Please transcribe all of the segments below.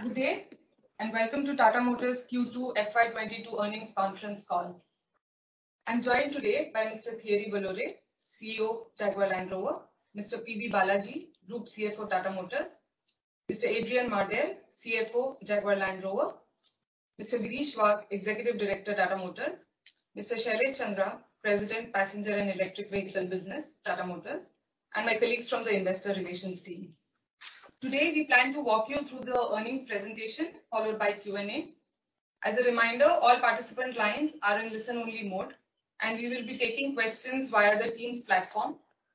Good day, and welcome to Tata Motors Q2 FY 2022 Earnings Conference Call. I'm joined today by Mr. Thierry Bolloré, CEO Jaguar Land Rover, Mr. P.B. Balaji, Group CFO Tata Motors, Mr. Adrian Mardell, CFO Jaguar Land Rover, Mr. Girish Wagh, Executive Director Tata Motors, Mr. Shailesh Chandra, President Passenger and Electric Vehicle Business Tata Motors, and my colleagues from the investor relations team. Today, we plan to walk you through the earnings presentation, followed by Q&A. As a reminder, all participant lines are in listen-only mode, and we will be taking questions via the Teams platform,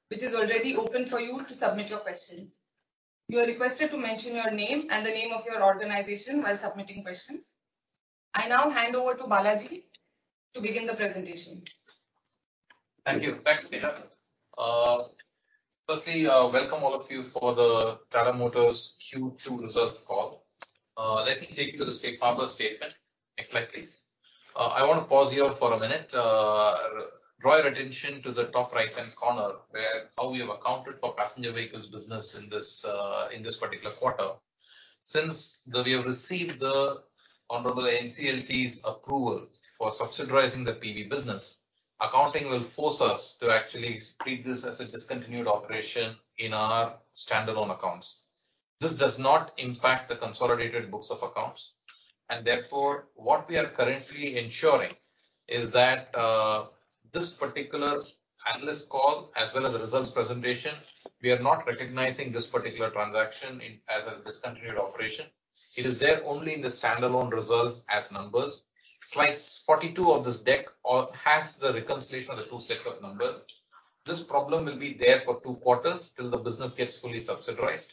which is already open for you to submit your questions. You are requested to mention your name and the name of your organization while submitting questions. I now hand over to Balaji to begin the presentation. Thank you. Thanks, Neha. Firstly, welcome all of you for the Tata Motors Q2 results call. Let me take you to the safe harbor statement. Next slide, please. I wanna pause here for a minute. Draw your attention to the top right-hand corner where, how we have accounted for Passenger Vehicles business in this particular quarter. Since we have received the honorable NCLT's approval for the demerger of the PV business, accounting will force us to actually treat this as a discontinued operation in our standalone accounts. This does not impact the consolidated books of accounts, and therefore, what we are currently ensuring is that this particular analyst call, as well as the results presentation, we are not recognizing this particular transaction as a discontinued operation. It is there only in the standalone results as numbers. Slide 42 of this deck has the reconciliation of the two sets of numbers. This problem will be there for two quarters till the business gets fully consolidated.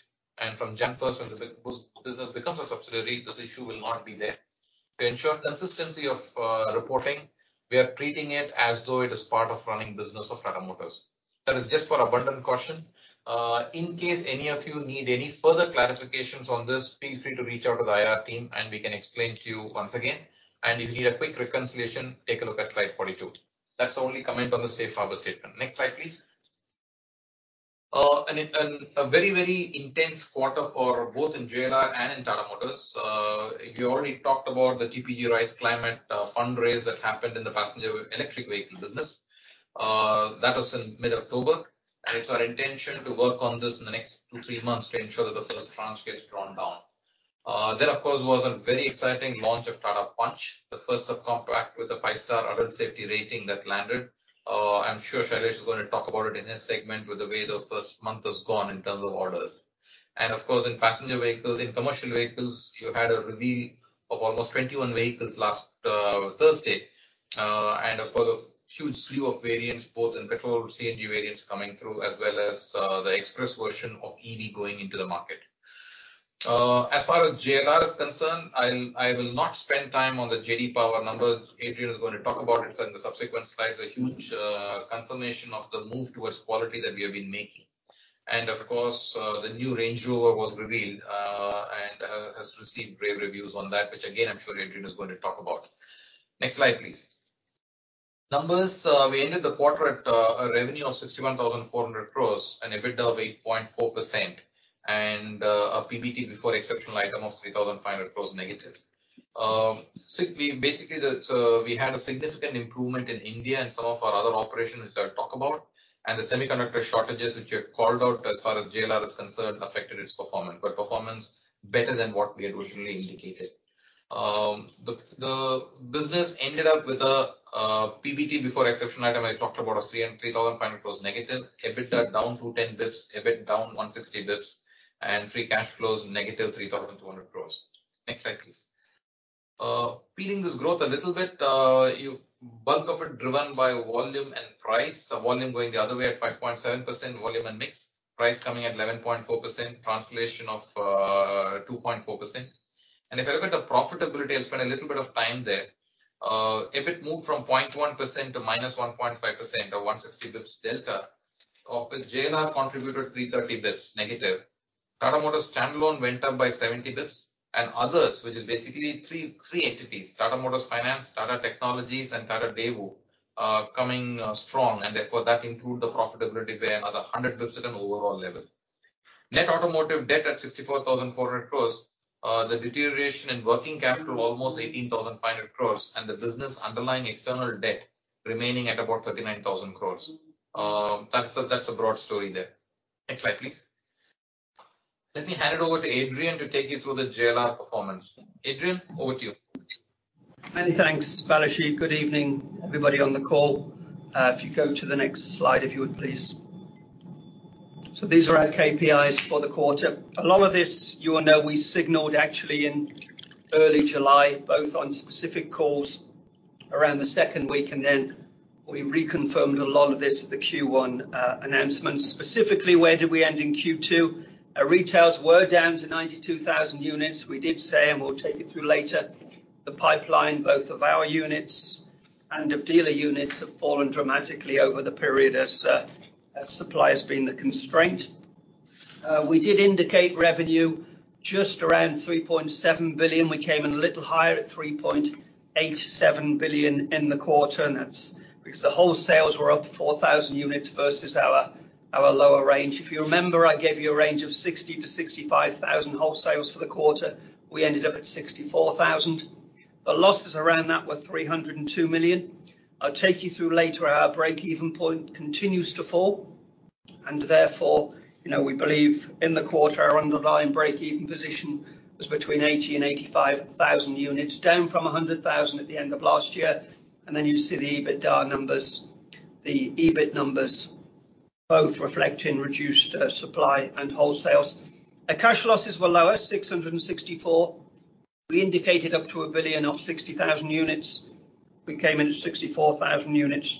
From January 1, when the EV business becomes a subsidiary, this issue will not be there. To ensure consistency of reporting, we are treating it as though it is part of running business of Tata Motors. That is just for abundant caution. In case any of you need any further clarifications on this, feel free to reach out to the IR team, and we can explain to you once again. If you need a quick reconciliation, take a look at slide 42. That's the only comment on the safe harbor statement. Next slide, please. A very, very intense quarter for both in JLR and in Tata Motors. We already talked about the TPG Rise Climate fundraise that happened in the passenger electric vehicle business. That was in mid-October, and it's our intention to work on this in the next two, three months to ensure that the first tranche gets drawn down. There, of course, was a very exciting launch of Tata Punch, the first subcompact with a five star adult safety rating that landed. I'm sure Shailesh is gonna talk about it in his segment with the way the first month has gone in terms of orders. Of course, in passenger vehicles, in commercial vehicles, you had a reveal of almost 21 vehicles last Thursday. Of course, a huge slew of variants, both in petrol, CNG variants coming through, as well as, the express version of EV going into the market. As far as JLR is concerned, I will not spend time on the J.D. Power numbers. Adrian is gonna talk about it in the subsequent slides. A huge confirmation of the move towards quality that we have been making. Of course, the new Range Rover was revealed and has received rave reviews on that, which again, I'm sure Adrian is going to talk about. Next slide, please. Numbers. We ended the quarter at a revenue of 61,400 crore and Adjusted EBITDA of 8.4%, and a PBT before exceptional item of -3,500 crore. We had a significant improvement in India and some of our other operations which I'll talk about, and the semiconductor shortages, which you have called out as far as JLR is concerned, affected its performance, but performance better than what we had originally indicated. The business ended up with a PBT before exceptional item I talked about of -3,350 crores. Adjusted EBITDA down 210 basis points, EBIT down 160 basis points, and free cash flows -3,200 crores. Next slide, please. Peeling this growth a little bit, the bulk of it driven by volume and price. Volume going the other way at 5.7% volume and mix. Price coming at 11.4%. Translation of 2.4%. If you look at the profitability, I'll spend a little bit of time there. EBIT moved from 0.1% to -1.5%, or 160 basis points delta. Of which JLR contributed 330 basis points negative. Tata Motors standalone went up by 70 basis points, and others, which is basically three entities, Tata Motors Financial, Tata Technologies, and Tata Daewoo, coming strong, and therefore that improved the profitability by another 100 basis points at an overall level. Net automotive debt at 64,400 crore. The deterioration in working capital almost 18,500 crore, and the business underlying external debt remaining at about 39,000 crore. That's a broad story there. Next slide, please. Let me hand it over to Adrian to take you through the JLR performance. Adrian, over to you. Many thanks, P.B. Balaji. Good evening, everybody on the call. If you go to the next slide, if you would please. These are our KPIs for the quarter. A lot of this you will know we signaled actually in early July, both on specific calls around the second week, and then we reconfirmed a lot of this at the Q1 announcement. Specifically, where did we end in Q2? Our retails were down to 92,000 units. We did say, and we'll take you through later, the pipeline, both of our units and of dealer units, have fallen dramatically over the period as supply has been the constraint. We did indicate revenue just around $3.7 billion. We came in a little higher at $3.87 billion in the quarter, and that's because the wholesales were up 4,000 units versus our Our lower range. If you remember, I gave you a range of 60,000-65,000 wholesales for the quarter. We ended up at 64,000. The losses around that were 302 million. I'll take you through later, our break-even point continues to fall, and therefore, you know, we believe in the quarter, our underlying break-even position was between 80,000 units-85,000 units, down from 100,000 at the end of last year. You see the Adjusted EBITDA numbers, the EBIT numbers, both reflecting reduced supply and wholesales. Our cash losses were lower, 664 million. We indicated up to 1 billion off 60,000 units. We came in at 64,000 units,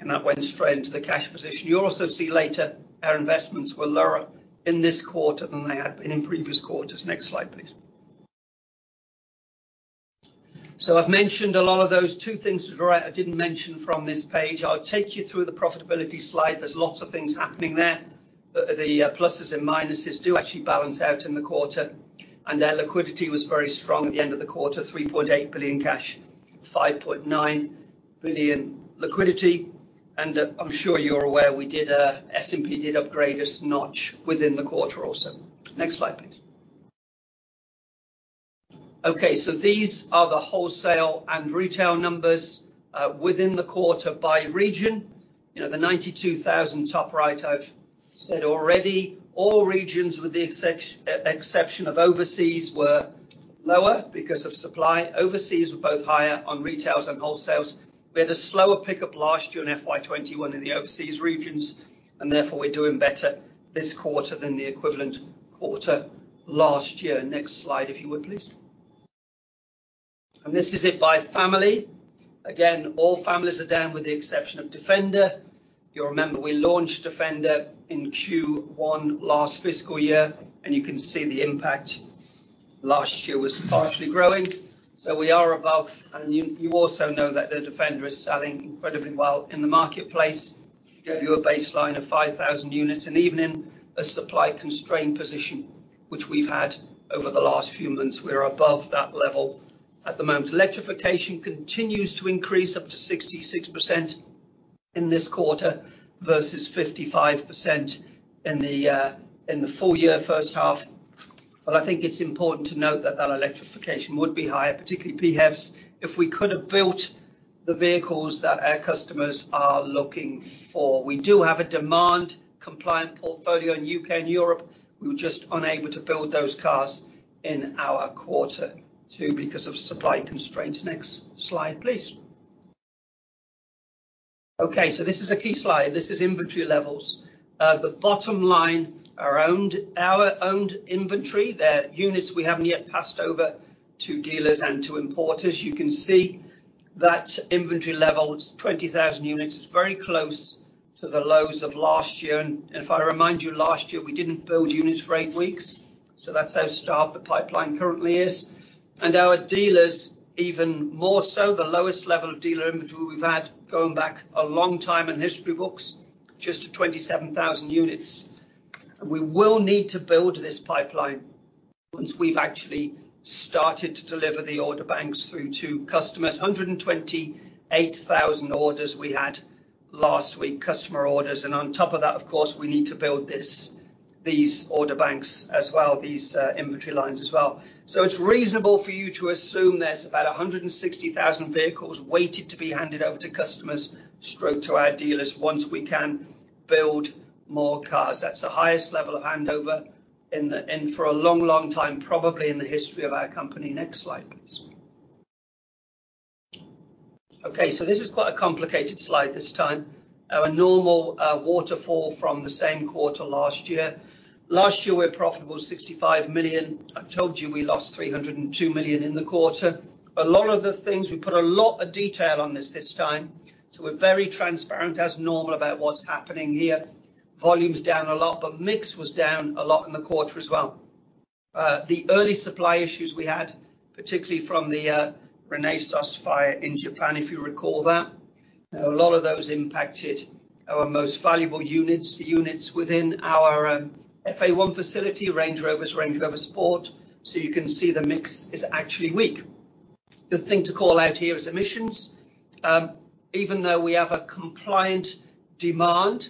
and that went straight into the cash position. You'll also see later our investments were lower in this quarter than they had been in previous quarters. Next slide, please. I've mentioned a lot of those. Two things, right, I didn't mention from this page. I'll take you through the profitability slide. There's lots of things happening there, but the pluses and minuses do actually balance out in the quarter. Our liquidity was very strong at the end of the quarter, 3.8 billion cash, 5.9 billion liquidity. I'm sure you're aware, S&P did upgrade us a notch within the quarter also. Next slide, please. Okay, these are the wholesale and retail numbers within the quarter by region. You know, the 92,000 top right, I've said already. All regions, with the exception of overseas, were lower because of supply. Overseas were both higher on retails and wholesales. We had a slower pickup last year in FY 2021 in the overseas regions, and therefore we're doing better this quarter than the equivalent quarter last year. Next slide, if you would, please. This is it by family. Again, all families are down with the exception of Defender. You'll remember we launched Defender in Q1 last fiscal year, and you can see the impact. Last year was partially growing, so we are above. You also know that the Defender is selling incredibly well in the marketplace. Give you a baseline of 5,000 units, and even in a supply-constrained position, which we've had over the last few months, we're above that level at the moment. Electrification continues to increase, up to 66% in this quarter versus 55% in the full year first half. But I think it's important to note that that electrification would be higher, particularly PHEVs, if we could have built the vehicles that our customers are looking for. We do have a demand compliant portfolio in U.K. and Europe. We were just unable to build those cars in our quarter, too, because of supply constraints. Next slide, please. Okay, so this is a key slide. This is inventory levels. The bottom line, our owned inventory, they are units we haven't yet passed over to dealers and to importers. You can see that inventory level is 20,000 units. It's very close to the lows of last year. If I remind you, last year, we didn't build units for eight weeks, so that's how starved the pipeline currently is. Our dealers even more so, the lowest level of dealer inventory we've had going back a long time in the history books, just at 27,000 units. We will need to build this pipeline once we've actually started to deliver the order banks through to customers. 128,000 orders we had last week, customer orders, and on top of that, of course, we need to build this, these order banks as well, these inventory lines as well. It's reasonable for you to assume there's about 160,000 vehicles waiting to be handed over to customers straight to our dealers once we can build more cars. That's the highest level of handover in, for a long, long time, probably in the history of our company. Next slide, please. Okay, this is quite a complicated slide this time. Our normal waterfall from the same quarter last year. Last year, we were profitable, 65 million. I've told you we lost 302 million in the quarter. A lot of the things, we put a lot of detail on this time, so we're very transparent as normal about what's happening here. Volume's down a lot, but mix was down a lot in the quarter as well. The early supply issues we had, particularly from the Renesas fire in Japan, if you recall that. A lot of those impacted our most valuable units, the units within our FA1 facility, Range Rovers, Range Rover Sport, so you can see the mix is actually weak. The thing to call out here is emissions. Even though we have a compliant demand,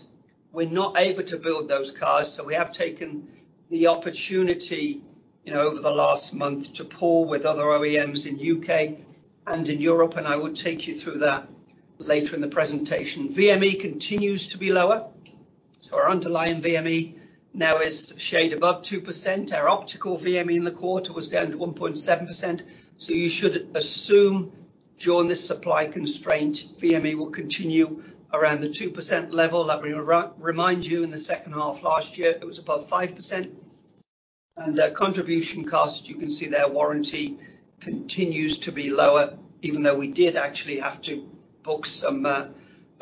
we're not able to build those cars, so we have taken the opportunity over the last month to pool with other OEMs in U.K. and in Europe, and I will take you through that later in the presentation. VME continues to be lower, so our underlying VME now is a shade above 2%. Our overall VME in the quarter was down to 1.7%, so you should assume during this supply constraint, VME will continue around the 2% level. Let me remind you, in the second half of last year, it was above 5%. Contribution cost, you can see there, warranty continues to be lower, even though we did actually have to book some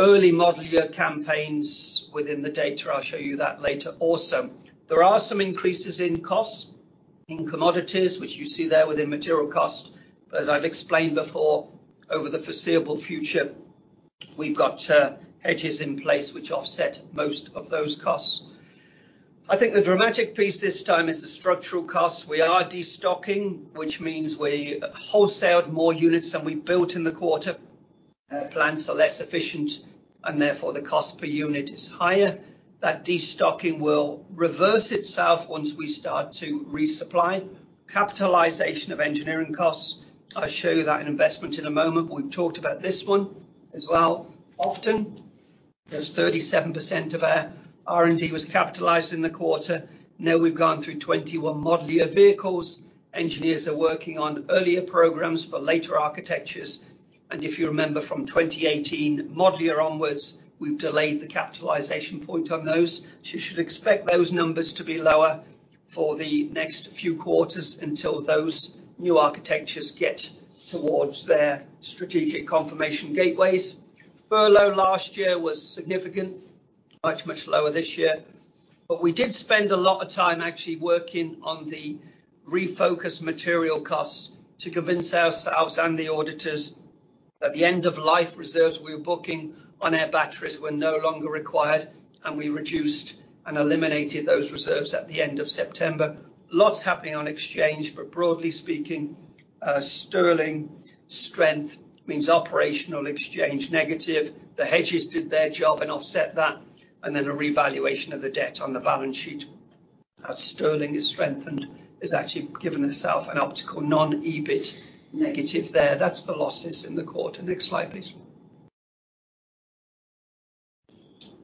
early model year campaigns within the data. I'll show you that later also. There are some increases in costs, in commodities, which you see there within material cost, but as I've explained before, over the foreseeable future, we've got hedges in place which offset most of those costs. I think the dramatic piece this time is the structural costs. We are de-stocking, which means we wholesaled more units than we built in the quarter. Our plans are less efficient and therefore, the cost per unit is higher. That de-stocking will reverse itself once we start to resupply. Capitalization of engineering costs, I'll show you that in investment in a moment. We've talked about this one as well. Often, there's 37% of our R&D was capitalized in the quarter. Now we've gone through 21 modular vehicles. Engineers are working on earlier programs for later architectures. If you remember from 2018 modular onwards, we've delayed the capitalization point on those. You should expect those numbers to be lower for the next few quarters until those new architectures get towards their strategic confirmation gateways. Furlough last year was significant. Much, much lower this year. We did spend a lot of time actually working on the Refocus material costs to convince ourselves and the auditors that the end of life reserves we were booking on our batteries were no longer required, and we reduced and eliminated those reserves at the end of September. Lots happening on exchange, but broadly speaking, sterling strength means operational exchange negative. The hedges did their job and offset that, and then a revaluation of the debt on the balance sheet as sterling has strengthened, has actually given itself an optical non-EBIT negative there. That's the losses in the quarter. Next slide, please.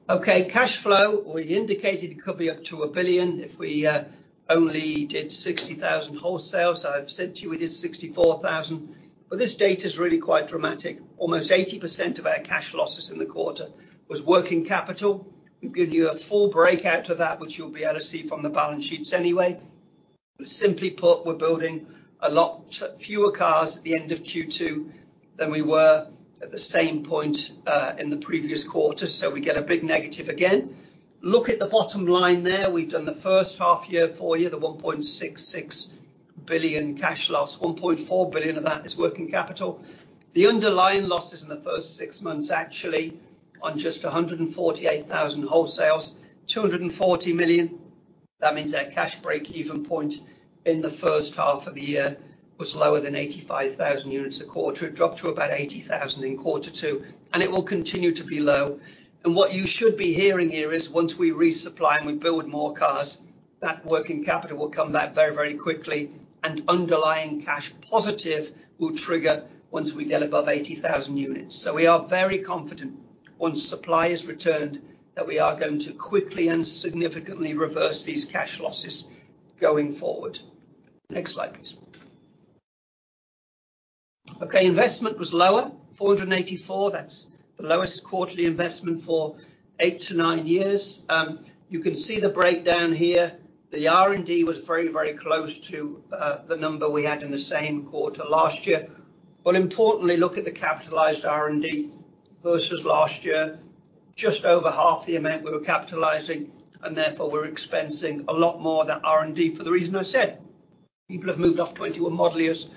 Okay, cash flow, we indicated it could be up to 1 billion if we only did 60,000 wholesales. I've said to you we did 64,000. This data's really quite dramatic. Almost 80% of our cash losses in the quarter was working capital. We've given you a full breakout of that, which you'll be able to see from the balance sheets anyway. Simply put, we're building a lot fewer cars at the end of Q2 than we were at the same point in the previous quarter, so we get a big negative again. Look at the bottom line there. We've done the first half year for you, the 1.66 billion cash loss, 1.4 billion of that is working capital. The underlying losses in the first six months actually on just 148,000 wholesales, 240 million. That means our cash break-even point in the first half of the year was lower than 85,000 units a quarter. It dropped to about 80,000 in quarter two, and it will continue to be low. What you should be hearing here is once we resupply and we build more cars, that working capital will come back very, very quickly, and underlying cash positive will trigger once we get above 80,000 units. We are very confident once supply is returned, that we are going to quickly and significantly reverse these cash losses going forward. Next slide, please. Okay, investment was lower, 484, that's the lowest quarterly investment for eight - nine years. You can see the breakdown here. The R&D was very, very close to the number we had in the same quarter last year. Importantly, look at the capitalized R&D versus last year. Just over half the amount we were capitalizing, and therefore we're expensing a lot more of that R&D for the reason I said. People have moved off 21 modulars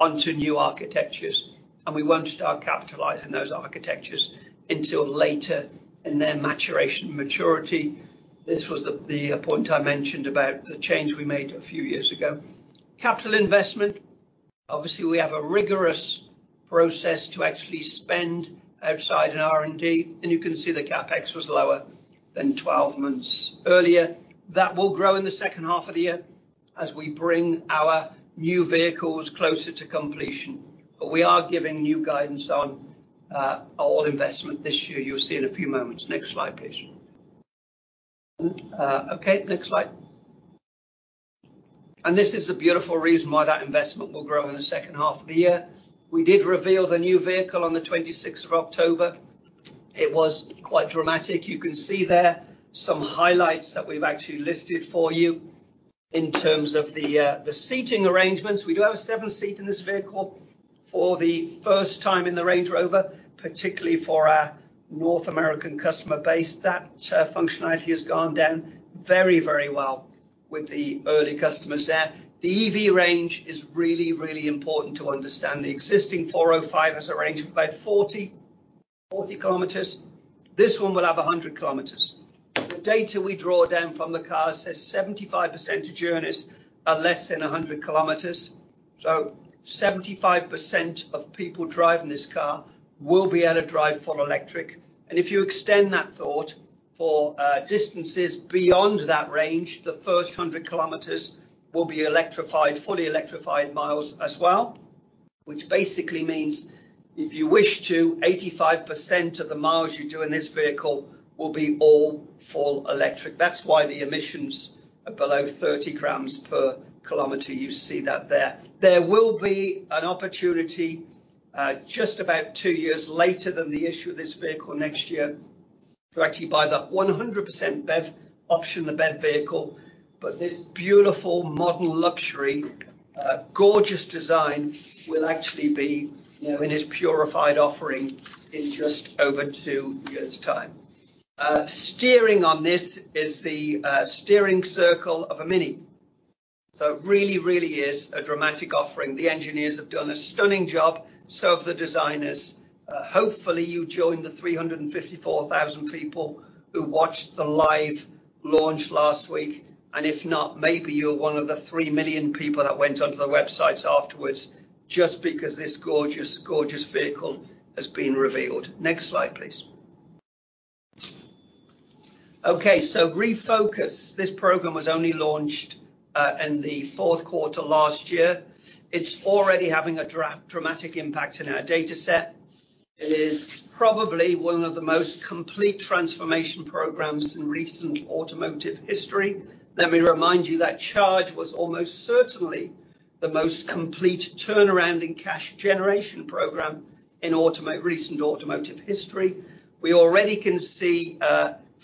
onto new architectures, and we won't start capitalizing those architectures until later in their maturation and maturity. This was the point I mentioned about the change we made a few years ago. Capital investment, obviously, we have a rigorous process to actually spend outside in R&D, and you can see the CapEx was lower than 12 months earlier. That will grow in the second half of the year as we bring our new vehicles closer to completion. We are giving new guidance on our investment this year, you'll see in a few moments. Next slide, please. Next slide. This is the beautiful reason why that investment will grow in the second half of the year. We did reveal the new vehicle on the 26th of October. It was quite dramatic. You can see there some highlights that we've actually listed for you. In terms of the seating arrangements, we do have a seven-seat in this vehicle for the first time in the Range Rover, particularly for our North American customer base. That functionality has gone down very, very well with the early customers there. The EV range is really, really important to understand. The existing P400e has a range of about 40 km. This one will have 100 km. The data we draw down from the car says 75% of journeys are less than 100 km, so 75% of people driving this car will be able to drive full electric. If you extend that thought for distances beyond that range, the first 100 km will be electrified, fully electrified miles as well, which basically means if you wish to, 85% of the miles you do in this vehicle will be all full electric. That's why the emissions are below 30 g per km, you see that there. There will be an opportunity just about two years later than the issue of this vehicle next year to actually buy the 100% BEV option, the BEV vehicle, but this beautiful modern luxury gorgeous design will actually be, you know, in its purified offering in just over two years' time. Steering on this is the steering circle of a Mini. So it really is a dramatic offering. The engineers have done a stunning job, so have the designers. Hopefully, you joined the 354,000 people who watched the live launch last week. If not, maybe you're one of the 3 million people that went onto the websites afterwards just because this gorgeous vehicle has been revealed. Next slide, please. Okay, so Refocus. This program was only launched in the fourth quarter last year. It's already having a dramatic impact in our data set. It is probably one of the most complete transformation programs in recent automotive history. Let me remind you that Charge was almost certainly the most complete turnaround in cash generation program in recent automotive history. We already can see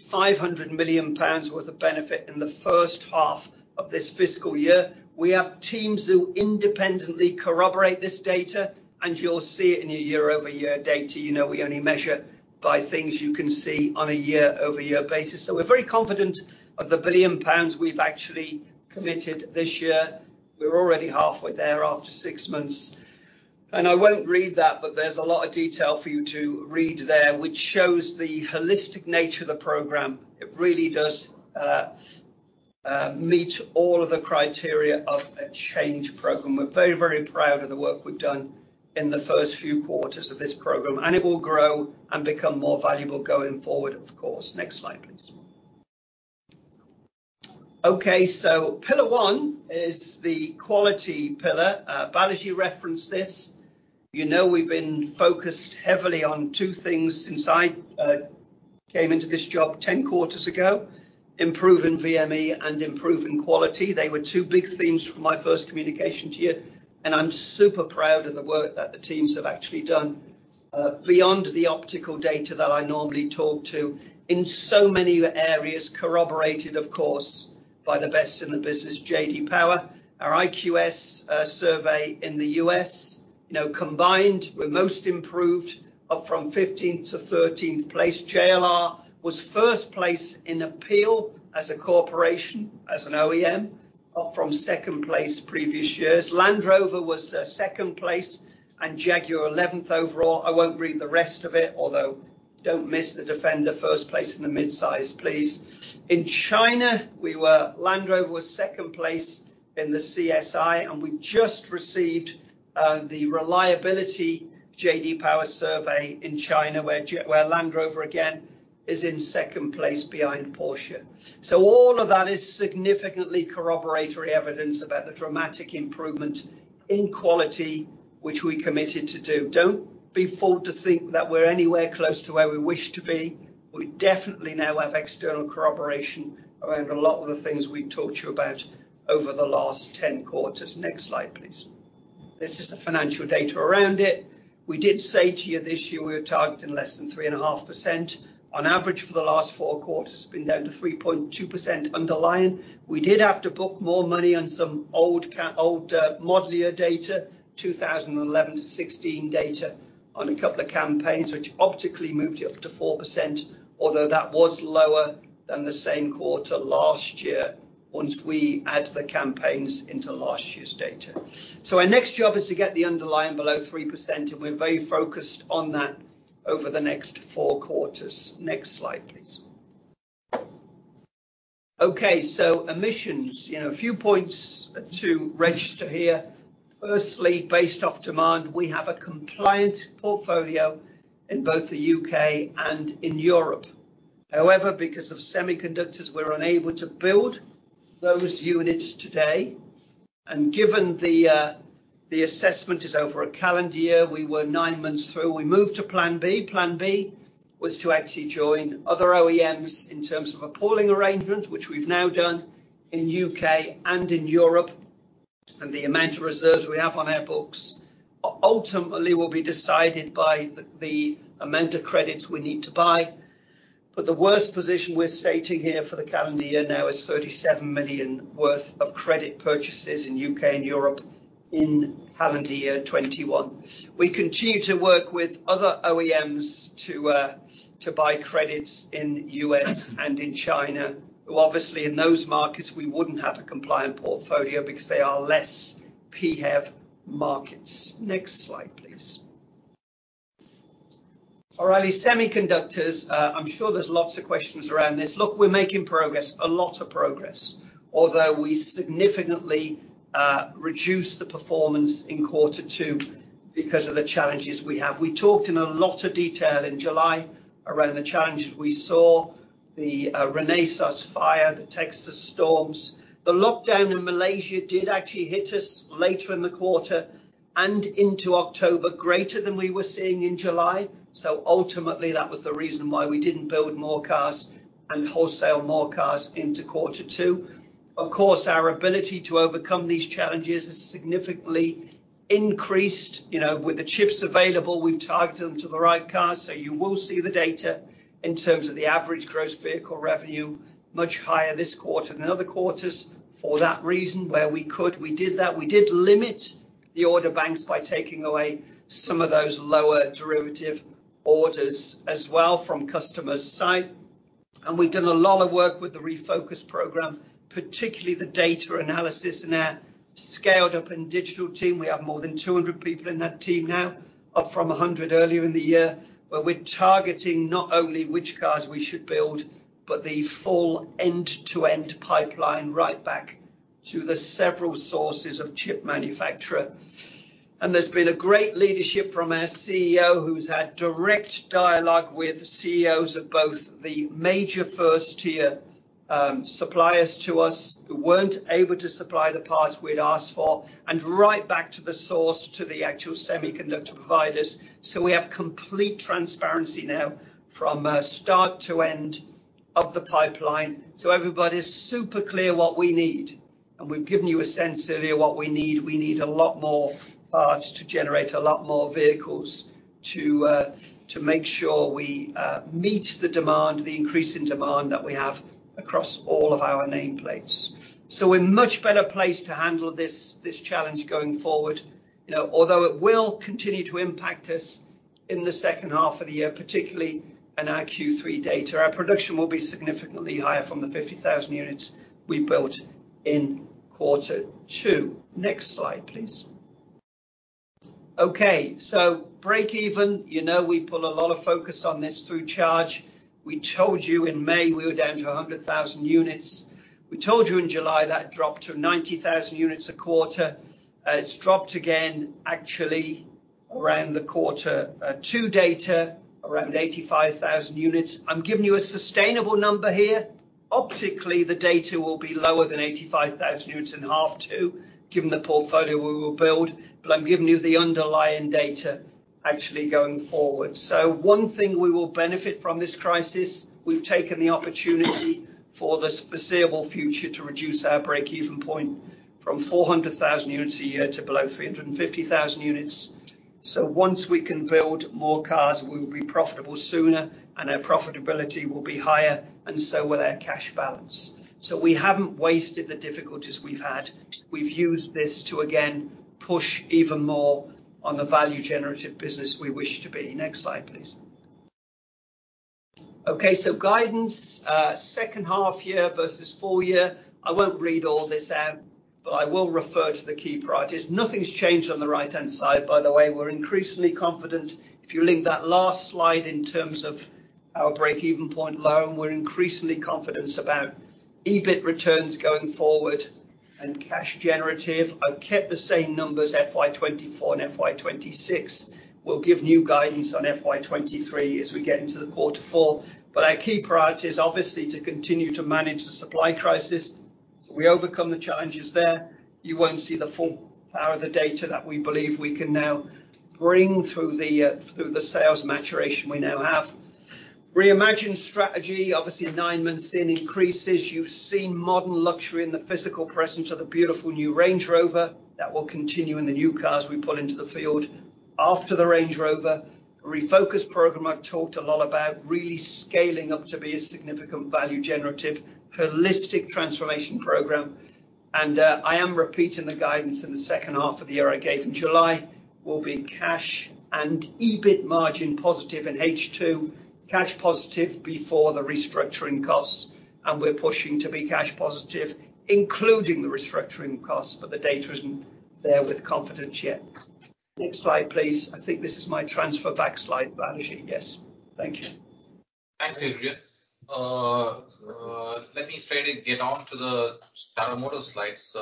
500 million pounds worth of benefit in the first half of this fiscal year. We have teams who independently corroborate this data, and you'll see it in your YoY data. You know we only measure by things you can see on a YoY basis. We're very confident of the 1 billion pounds we've actually committed this year. We're already halfway there after six months. I won't read that, but there's a lot of detail for you to read there, which shows the holistic nature of the program. It really does meet all of the criteria of a change program. We're very, very proud of the work we've done in the first few quarters of this program, and it will grow and become more valuable going forward, of course. Next slide, please. Okay, pillar one is the quality pillar. Balaji referenced this. You know we've been focused heavily on two things since I came into this job 10 quarters ago, improving VME and improving quality. They were two big themes from my first communication to you, and I'm super proud of the work that the teams have actually done. Beyond the optical data that I normally talk to, in so many areas corroborated, of course, by the best in the business, J.D. Power, our IQS survey in the U.S., you know, combined were most improved up from 15th - 13th place. JLR was first place in appeal as a corporation, as an OEM, up from second place previous years. Land Rover was second place, and Jaguar 11th overall. I won't read the rest of it, although don't miss the Defender, first place in the midsize, please. In China, Land Rover was second place in the CSI, and we just received the reliability J.D. Power survey in China, where Land Rover, again, is in second place behind Porsche. All of that is significantly corroboratory evidence about the dramatic improvement in quality which we committed to do. Don't be fooled to think that we're anywhere close to where we wish to be. We definitely now have external corroboration around a lot of the things we've talked to you about over the last 10 quarters. Next slide, please. This is the financial data around it. We did say to you this year we were targeting less than 3.5%. On average for the last four quarters, it's been down to 3.2% underlying. We did have to book more money on some old model year data, 2011 - 2016 data, on a couple of campaigns, which optically moved it up to 4%, although that was lower than the same quarter last year once we add the campaigns into last year's data. Our next job is to get the underlying below 3%, and we're very focused on that over the next four quarters. Next slide, please. Okay, emissions, you know, a few points to register here. Firstly, based off demand, we have a compliant portfolio in both the U.K. and in Europe. However, because of semiconductors, we're unable to build those units today. Given the assessment is over a calendar year, we were nine months through. We moved to plan B. Plan B was to actually join other OEMs in terms of a pooling arrangement, which we've now done in U.K. and in Europe, and the amount of reserves we have on our books ultimately will be decided by the amount of credits we need to buy. The worst position we're stating here for the calendar year now is 37 million worth of credit purchases in U.K. and Europe in calendar year 2021. We continue to work with other OEMs to buy credits in U.S. and in China. Obviously, in those markets, we wouldn't have a compliant portfolio because they are less PHEV markets. Next slide, please. All righty, semiconductors, I'm sure there's lots of questions around this. Look, we're making progress, a lot of progress, although we significantly reduced the performance in quarter two because of the challenges we have. We talked in a lot of detail in July around the challenges we saw, the Renesas fire, the Texas storms. The lockdown in Malaysia did actually hit us later in the quarter and into October, greater than we were seeing in July. Ultimately, that was the reason why we didn't build more cars and wholesale more cars into quarter two. Of course, our ability to overcome these challenges has significantly increased. You know, with the chips available, we've targeted them to the right cars, so you will see the data in terms of the average gross vehicle revenue much higher this quarter than other quarters for that reason. Where we could, we did that. We did limit the order banks by taking away some of those lower derivative orders as well from customers' side. We've done a lot of work with the Refocus program, particularly the data analysis and our scaled-up and digital team. We have more than 200 people in that team now, up from 100 earlier in the year, where we're targeting not only which cars we should build, but the full end-to-end pipeline right back to the several sources of chip manufacturer. There's been a great leadership from our CEO, who's had direct dialogue with CEOs of both the major first-tier suppliers to us who weren't able to supply the parts we'd asked for, and right back to the source to the actual semiconductor providers. We have complete transparency now from start to end of the pipeline, so everybody's super clear what we need. We've given you a sense earlier what we need. We need a lot more parts to generate a lot more vehicles to make sure we meet the demand, the increase in demand that we have across all of our nameplates. We're much better placed to handle this challenge going forward. You know, although it will continue to impact us in the second half of the year, particularly in our Q3 data. Our production will be significantly higher from the 50,000 units we built in quarter two. Next slide, please. Okay, so breakeven, you know we put a lot of focus on this through Charge. We told you in May we were down to 100,000 units. We told you in July that dropped to 90,000 units a quarter. It's dropped again, actually, around quarter two data, around 85,000 units. I'm giving you a sustainable number here. Optically, the data will be lower than 85,000 units in half two, given the portfolio we will build, but I'm giving you the underlying data actually going forward. One thing we will benefit from this crisis, we've taken the opportunity for the foreseeable future to reduce our breakeven point from 400,000 units a year to below 350,000 units. Once we can build more cars, we will be profitable sooner, and our profitability will be higher, and so will our cash balance. We haven't wasted the difficulties we've had. We've used this to, again, push even more on the value-generative business we wish to be. Next slide, please. Okay, guidance, second half year versus full year. I won't read all this out, but I will refer to the key priorities. Nothing's changed on the right-hand side, by the way. We're increasingly confident. If you link that last slide in terms of our breakeven point low, and we're increasingly confident about EBIT returns going forward and cash generative. I've kept the same numbers, FY 2024 and FY 2026. We'll give new guidance on FY 2023 as we get into the quarter four. Our key priority is obviously to continue to manage the supply crisis, so we overcome the challenges there. You won't see the full power of the data that we believe we can now bring through the sales maturation we now have. Reimagine strategy, obviously nine months in increases. You've seen modern luxury in the physical presence of the beautiful new Range Rover. That will continue in the new cars we put into the field. After the Range Rover Refocus program, I've talked a lot about really scaling up to be a significant value-generative, holistic transformation program. I am repeating the guidance in the second half of the year I gave in July, will be cash and EBIT margin positive in H2, cash positive before the restructuring costs, and we're pushing to be cash positive, including the restructuring costs, but the data isn't there with confidence yet. Next slide, please. I think this is my transfer back slide, Balaji. Yes. Thank you. Thanks, Adrian. Let me straight away get on to the Tata Motors slides.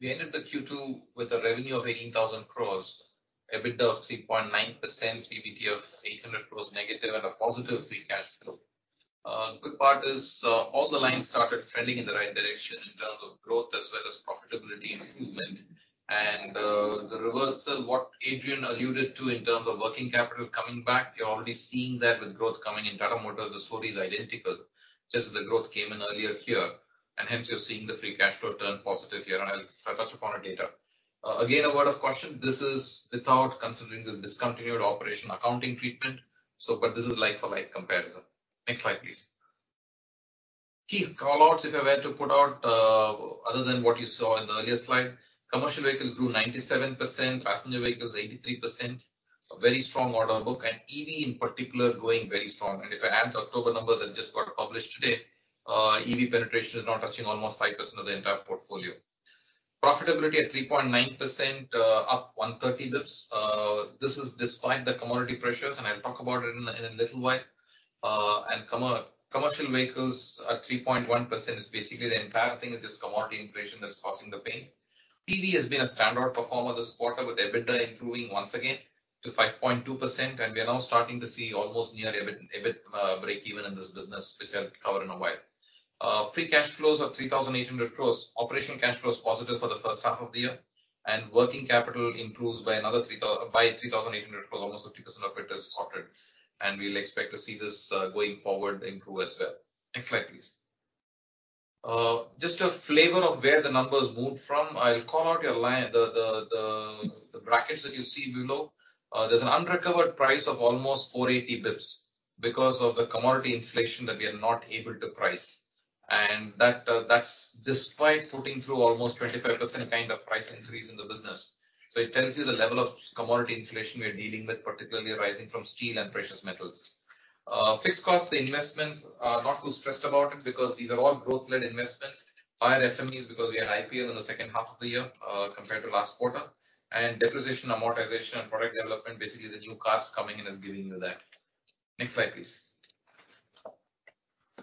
We ended the Q2 with a revenue of 18,000 crore, a bit of 3.9% PBT of negative 800 crore and a positive free cash flow. Good part is, all the lines started trending in the right direction in terms of growth as well as profitability improvement. The reversal, what Adrian alluded to in terms of working capital coming back, you're already seeing that with growth coming in Tata Motors, the story is identical, just the growth came in earlier here, and hence you're seeing the free cash flow turn positive here, and I'll touch upon the data. Again, a word of caution, this is without considering this discontinued operation accounting treatment, so but this is like-for-like comparison. Next slide, please. Key call-outs, if I were to put out, other than what you saw in the earlier slide, commercial vehicles grew 97%, passenger vehicles 83%. A very strong order book, and EV in particular growing very strong. If I add the October numbers that just got published today, EV penetration is now touching almost 5% of the entire portfolio. Profitability at 3.9%, up 130 basis points. This is despite the commodity pressures, and I'll talk about it in a little while. Commercial vehicles at 3.1% is basically the entire thing this commodity inflation that's causing the pain. PV has been a standout performer this quarter, with Adjusted EBITDA improving once again to 5.2%, and we are now starting to see almost near EBIT breakeven in this business, which I'll cover in a while. Free cash flows of 3,800 crores. Operational cash flow is positive for the first half of the year, and working capital improves by another 3,800,000,000 crores. Almost 50% of it is sorted, and we'll expect to see this going forward improve as well. Next slide, please. Just a flavor of where the numbers moved from. I'll call out the brackets that you see below. There's an unrecovered price of almost 480 basis points because of the commodity inflation that we are not able to price. That's despite putting through almost 25% kind of price increase in the business. It tells you the level of commodity inflation we are dealing with, particularly arising from steel and precious metals. Fixed cost, the investments are not too stressed about it because these are all growth-led investments. Higher FMEs because we had IPO in the second half of the year, compared to last quarter. Depreciation, amortization, and product development, basically the new costs coming in is giving you that. Next slide, please.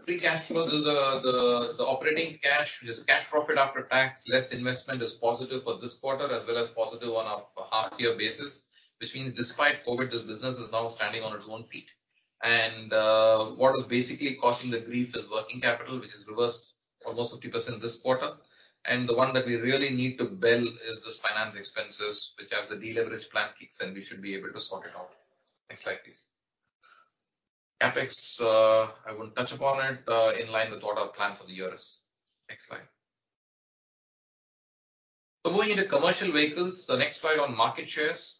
Free cash flow. The operating cash, which is cash profit after tax less investment, is positive for this quarter as well as positive on a half year basis, which means despite COVID, this business is now standing on its own feet. What is basically causing the grief is working capital, which reversed almost 50% this quarter. The one that we really need to bell is this finance expenses, which as the deleverage plan kicks in, we should be able to sort it out. Next slide, please. CapEx, I won't touch upon it, in line with what I've planned for the year. Next slide. Going into commercial vehicles, the next slide on market shares.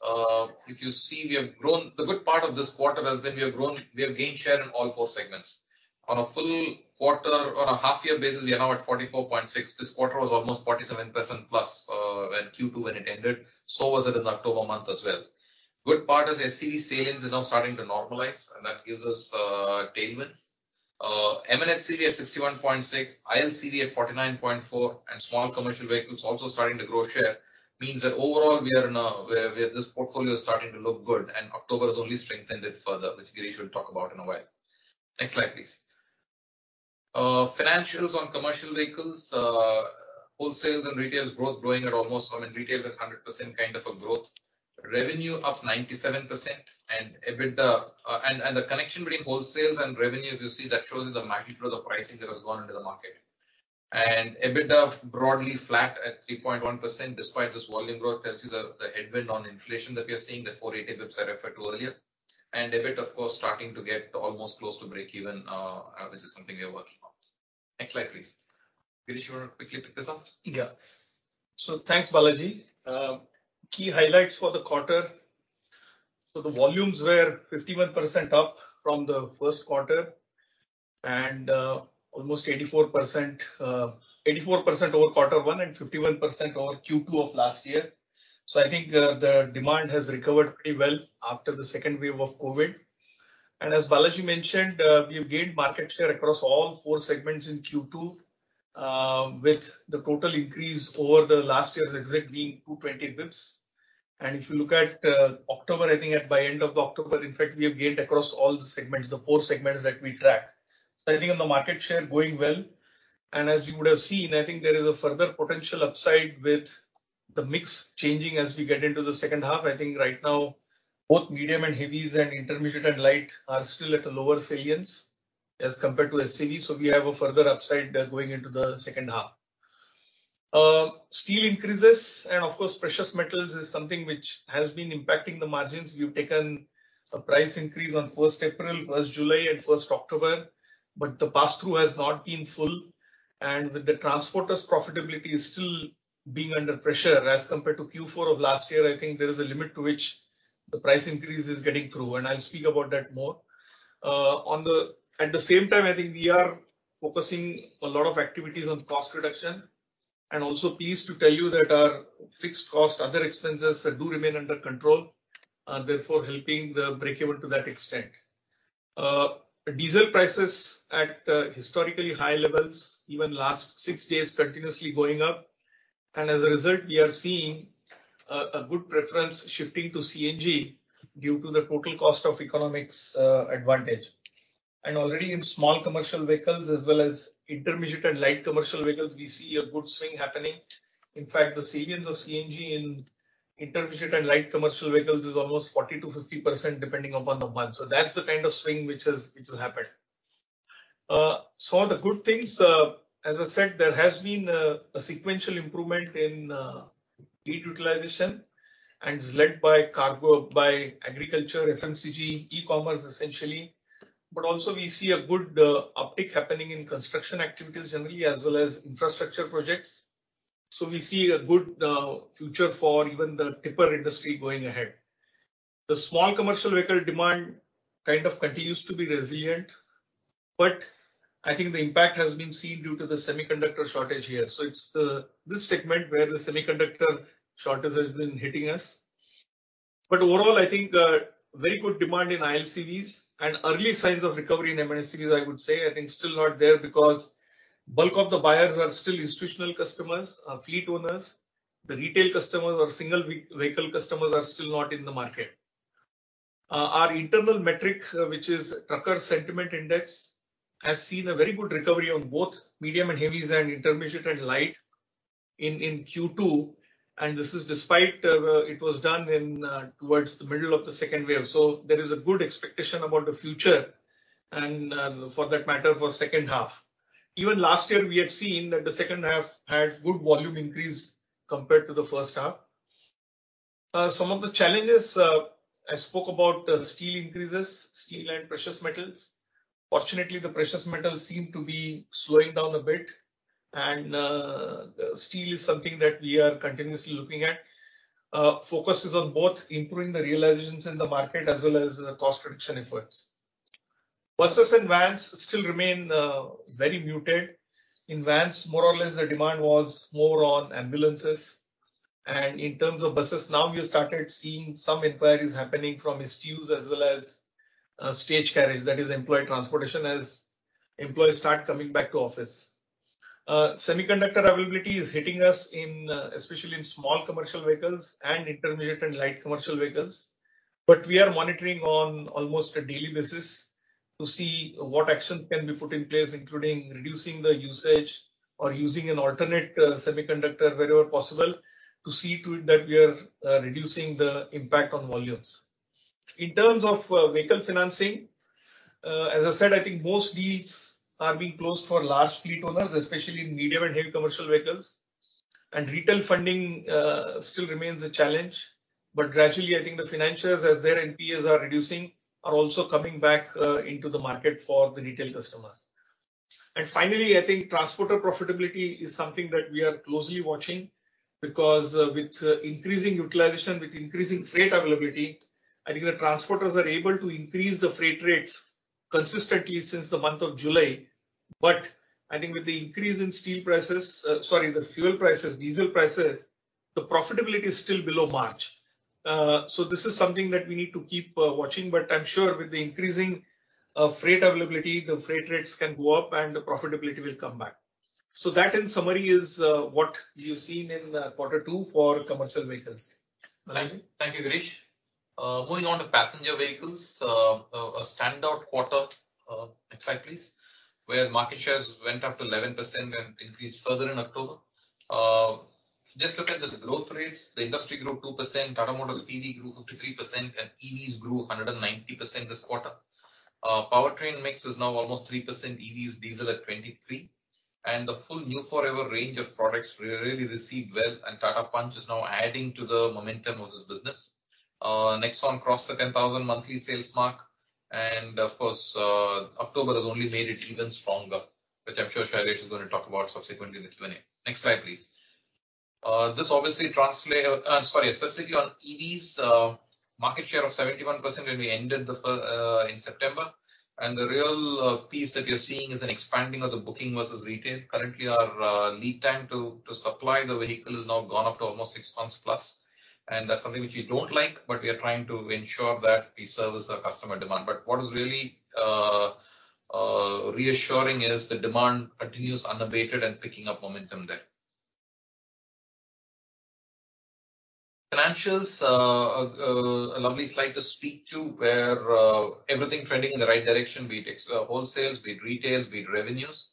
If you see, the good part of this quarter has been we have gained share in all four segments. On a half year basis, we are now at 44.6. This quarter was almost +47%, when Q2 ended, so was it in October month as well. Good part is SCV salience is now starting to normalize, and that gives us tailwinds. MNHCV at 61.6, ILCV at 49.4, and small commercial vehicles also starting to grow share means that overall we are now this portfolio is starting to look good, and October has only strengthened it further, which Girish will talk about in a while. Next slide, please. Financials on commercial vehicles. Wholesales and retails growth growing at almost, I mean, retail is at 100% kind of a growth. Revenue up 97% and Adjusted EBITDA. The connection between wholesales and revenue, if you see, that shows you the magnitude of the pricing that has gone into the market. Adjusted EBITDA broadly flat at 3.1%, despite this volume growth, tells you the headwind on inflation that we are seeing, the 4.8 Adjusted EBITDA referred to earlier. EBIT, of course, starting to get almost close to breakeven. This is something we are working on. Next slide, please. Girish, you wanna quickly pick this up? Yeah. Thanks, Balaji. Key highlights for the quarter. The volumes were 51% up from the first quarter and almost 84% over quarter one and 51% over Q2 of last year. I think the demand has recovered pretty well after the second wave of COVID. As Balaji mentioned, we have gained market share across all four segments in Q2, with the total increase over last year's Q2 being 220 basis points. If you look at October, I think by end of October, in fact, we have gained across all the segments, the four segments that we track. I think the market share going well, and as you would have seen, I think there is a further potential upside with the mix changing as we get into the second half. I think right now both medium and heavies and intermediate and light are still at a lower salience as compared to SCV. We have a further upside there going into the second half. Steel increases and of course, precious metals is something which has been impacting the margins. We've taken a price increase on first April, first July and first October, but the pass-through has not been full. With the transporters profitability is still being under pressure as compared to Q4 of last year, I think there is a limit to which the price increase is getting through, and I'll speak about that more. At the same time, I think we are focusing a lot of activities on cost reduction and also pleased to tell you that our fixed cost, other expenses do remain under control, therefore helping the breakeven to that extent. Diesel prices at historically high levels, even last six days continuously going up. As a result, we are seeing a good preference shifting to CNG due to the total cost of ownership advantage. Already in small commercial vehicles as well as intermediate and light commercial vehicles, we see a good swing happening. In fact, the salience of CNG in intermediate and light commercial vehicles is almost 40%-50% depending upon the month. That's the kind of swing which has happened. The good things, as I said, there has been a sequential improvement in fleet utilization and is led by cargo, by agriculture, FMCG, E-commerce essentially. But also we see a good uptick happening in construction activities generally as well as infrastructure projects. We see a good future for even the tipper industry going ahead. The small commercial vehicle demand kind of continues to be resilient, but I think the impact has been seen due to the semiconductor shortage here. It's this segment where the semiconductor shortage has been hitting us. Overall, I think very good demand in ILCVs and early signs of recovery in MNHCVs, I would say. I think still not there because bulk of the buyers are still institutional customers, fleet owners. The retail customers or single vehicle customers are still not in the market. Our internal metric, which is trucker sentiment index, has seen a very good recovery on both medium and heavies and intermediate and light in Q2, and this is despite it was done towards the middle of the second wave. There is a good expectation about the future and, for that matter, for second half. Even last year we had seen that the second half had good volume increase compared to the first half. Some of the challenges I spoke about, the steel increases, steel and precious metals. Fortunately, the precious metals seem to be slowing down a bit, and steel is something that we are continuously looking at. Focus is on both improving the realizations in the market as well as the cost reduction efforts. Buses and vans still remain very muted. In vans, more or less the demand was more on ambulances. In terms of buses, now we have started seeing some inquiries happening from STUs as well as stage carriage, that is employee transportation, as employees start coming back to office. Semiconductor availability is hitting us, especially in small commercial vehicles and intermediate and light commercial vehicles. We are monitoring on almost a daily basis to see what action can be put in place, including reducing the usage or using an alternate semiconductor wherever possible to see to it that we are reducing the impact on volumes. In terms of vehicle financing, as I said, I think most deals are being closed for large fleet owners, especially in medium and heavy commercial vehicles. Retail funding still remains a challenge, but gradually, I think the financials, as their NPAs are reducing, are also coming back into the market for the retail customers. Finally, I think transporter profitability is something that we are closely watching because, with increasing utilization, with increasing freight availability, I think the transporters are able to increase the freight rates consistently since the month of July. I think with the increase in steel prices, sorry, the fuel prices, diesel prices, the profitability is still below March. This is something that we need to keep watching, but I'm sure with the increasing freight availability, the freight rates can go up and the profitability will come back. That in summary is what you've seen in quarter two for commercial vehicles. Balaji? Thank you, Girish. Moving on to passenger vehicles, a standout quarter, next slide please, where market shares went up to 11% and increased further in October. Just look at the growth rates. The industry grew 2%, Tata Motors PV grew 53%, and EVs grew 190% this quarter. Powertrain mix is now almost 3% EVs, diesel at 23%. The full New Forever range of products really received well, and Tata Punch is now adding to the momentum of this business. Nexon crossed the 10,000 monthly sales mark. Of course, October has only made it even stronger, which I'm sure Shailesh is gonna talk about subsequently in the Q&A. Next slide, please. This obviously translates. Sorry, specifically on EVs, market share of 71% when we ended in September. The real piece that you're seeing is an expanding of the booking versus retail. Currently our lead time to supply the vehicle has now gone up to almost six months plus, and that's something which we don't like, but we are trying to ensure that we service our customer demand. What is really reassuring is the demand continues unabated and picking up momentum there. Financials, a lovely slide to speak to, where everything trending in the right direction, be it wholesales, be it retails, be it revenues.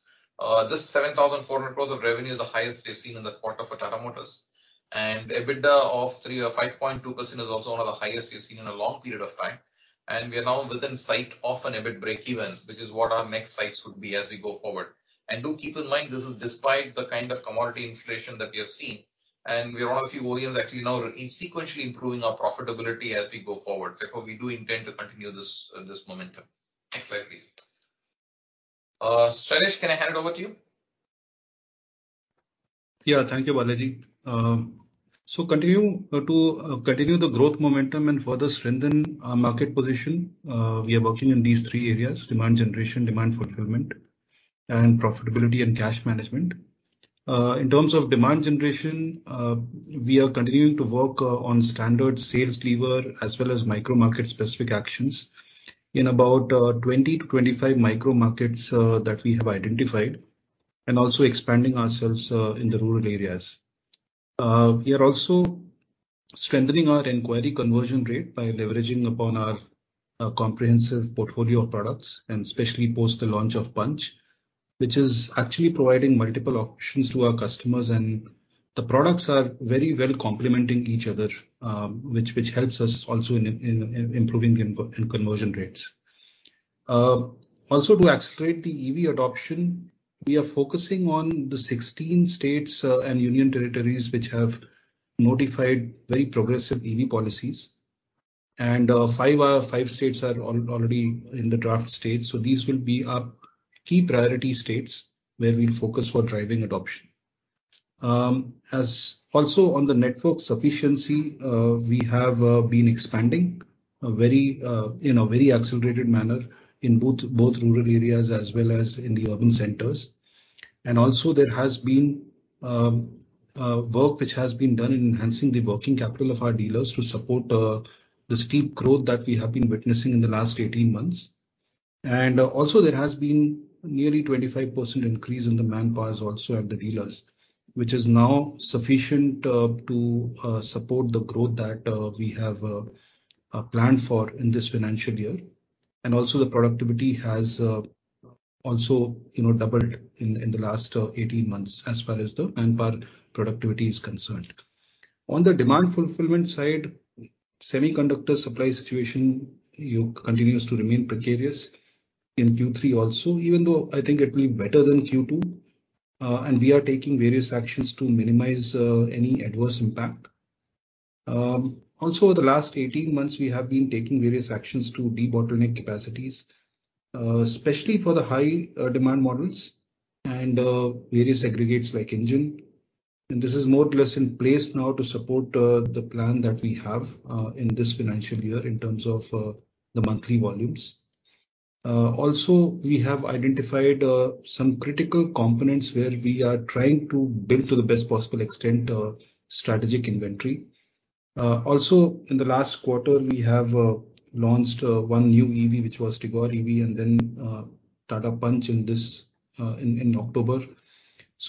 This 7,400 crores of revenue is the highest we've seen in the quarter for Tata Motors. Adjusted EBITDA of 3% - 5.2% is also one of the highest we've seen in a long period of time, and we are now within sight of an EBIT breakeven, which is what our next sights would be as we go forward. Do keep in mind, this is despite the kind of commodity inflation that we have seen, and we are on a few volumes actually now sequentially improving our profitability as we go forward. Therefore, we do intend to continue this momentum. Next slide, please. Shailesh Chandra, can I hand it over to you? Yeah. Thank you, Balaji. Continue the growth momentum and further strengthen our market position, we are working in these three areas, demand generation, demand fulfillment, and profitability and cash management. In terms of demand generation, we are continuing to work on standard sales lever, as well as micro market specific actions in about 20 - 25 micro markets that we have identified, and also expanding ourselves in the rural areas. We are also strengthening our inquiry conversion rate by leveraging upon our comprehensive portfolio of products, and especially post the launch of Punch, which is actually providing multiple options to our customers. The products are very well complementing each other, which helps us also in improving conversion rates. To accelerate the EV adoption, we are focusing on the 16 states and union territories which have notified very progressive EV policies. Five out of five states are already in the draft stage, so these will be our key priority states where we'll focus for driving adoption. As also on the network sufficiency, we have been expanding very in a very accelerated manner in both rural areas as well as in the urban centers. Also there has been work which has been done in enhancing the working capital of our dealers to support the steep growth that we have been witnessing in the last 18 months. There has been nearly 25% increase in the manpowers also at the dealers, which is now sufficient to support the growth that we have planned for in this financial year. The productivity has also, you know, doubled in the last 18 months as far as the manpower productivity is concerned. On the demand fulfillment side, semiconductor supply situation continues to remain precarious in Q3 also, even though I think it will be better than Q2. We are taking various actions to minimize any adverse impact. The last 18 months we have been taking various actions to debottleneck capacities, especially for the high demand models. Various aggregates like engine. This is more or less in place now to support the plan that we have in this financial year in terms of the monthly volumes. Also, we have identified some critical components where we are trying to build to the best possible extent strategic inventory. Also, in the last quarter, we have launched one new EV, which was Tigor EV, and then Tata Punch in October.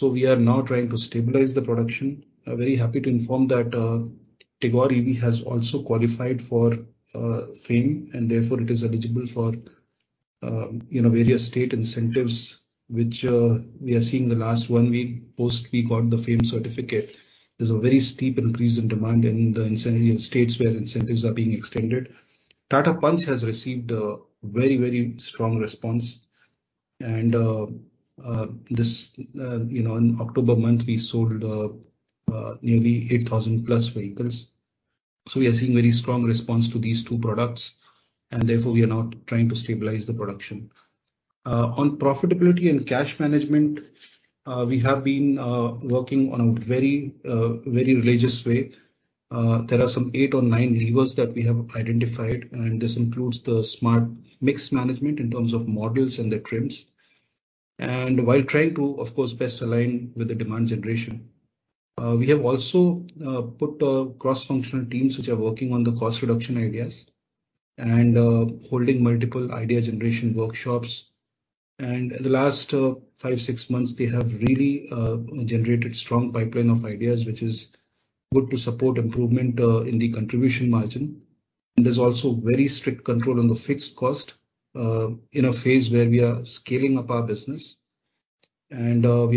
We are now trying to stabilize the production. I'm very happy to inform that Tigor EV has also qualified for FAME, and therefore it is eligible for you know, various state incentives, which we are seeing the last one week post we got the FAME certificate. There's a very steep increase in demand in the incentive states where incentives are being extended. Tata Punch has received a very strong response and this you know in October month we sold nearly +8,000 vehicles. We are seeing very strong response to these two products, and therefore we are now trying to stabilize the production. On profitability and cash management we have been working on a very rigorous way. There are some eight or nine levers that we have identified, and this includes the smart mix management in terms of models and the trims. While trying to of course best align with the demand generation we have also put cross-functional teams which are working on the cost reduction ideas and holding multiple idea generation workshops. In the last 5 months-6 months, they have really generated strong pipeline of ideas, which is good to support improvement in the contribution margin. There's also very strict control on the fixed cost in a phase where we are scaling up our business. We are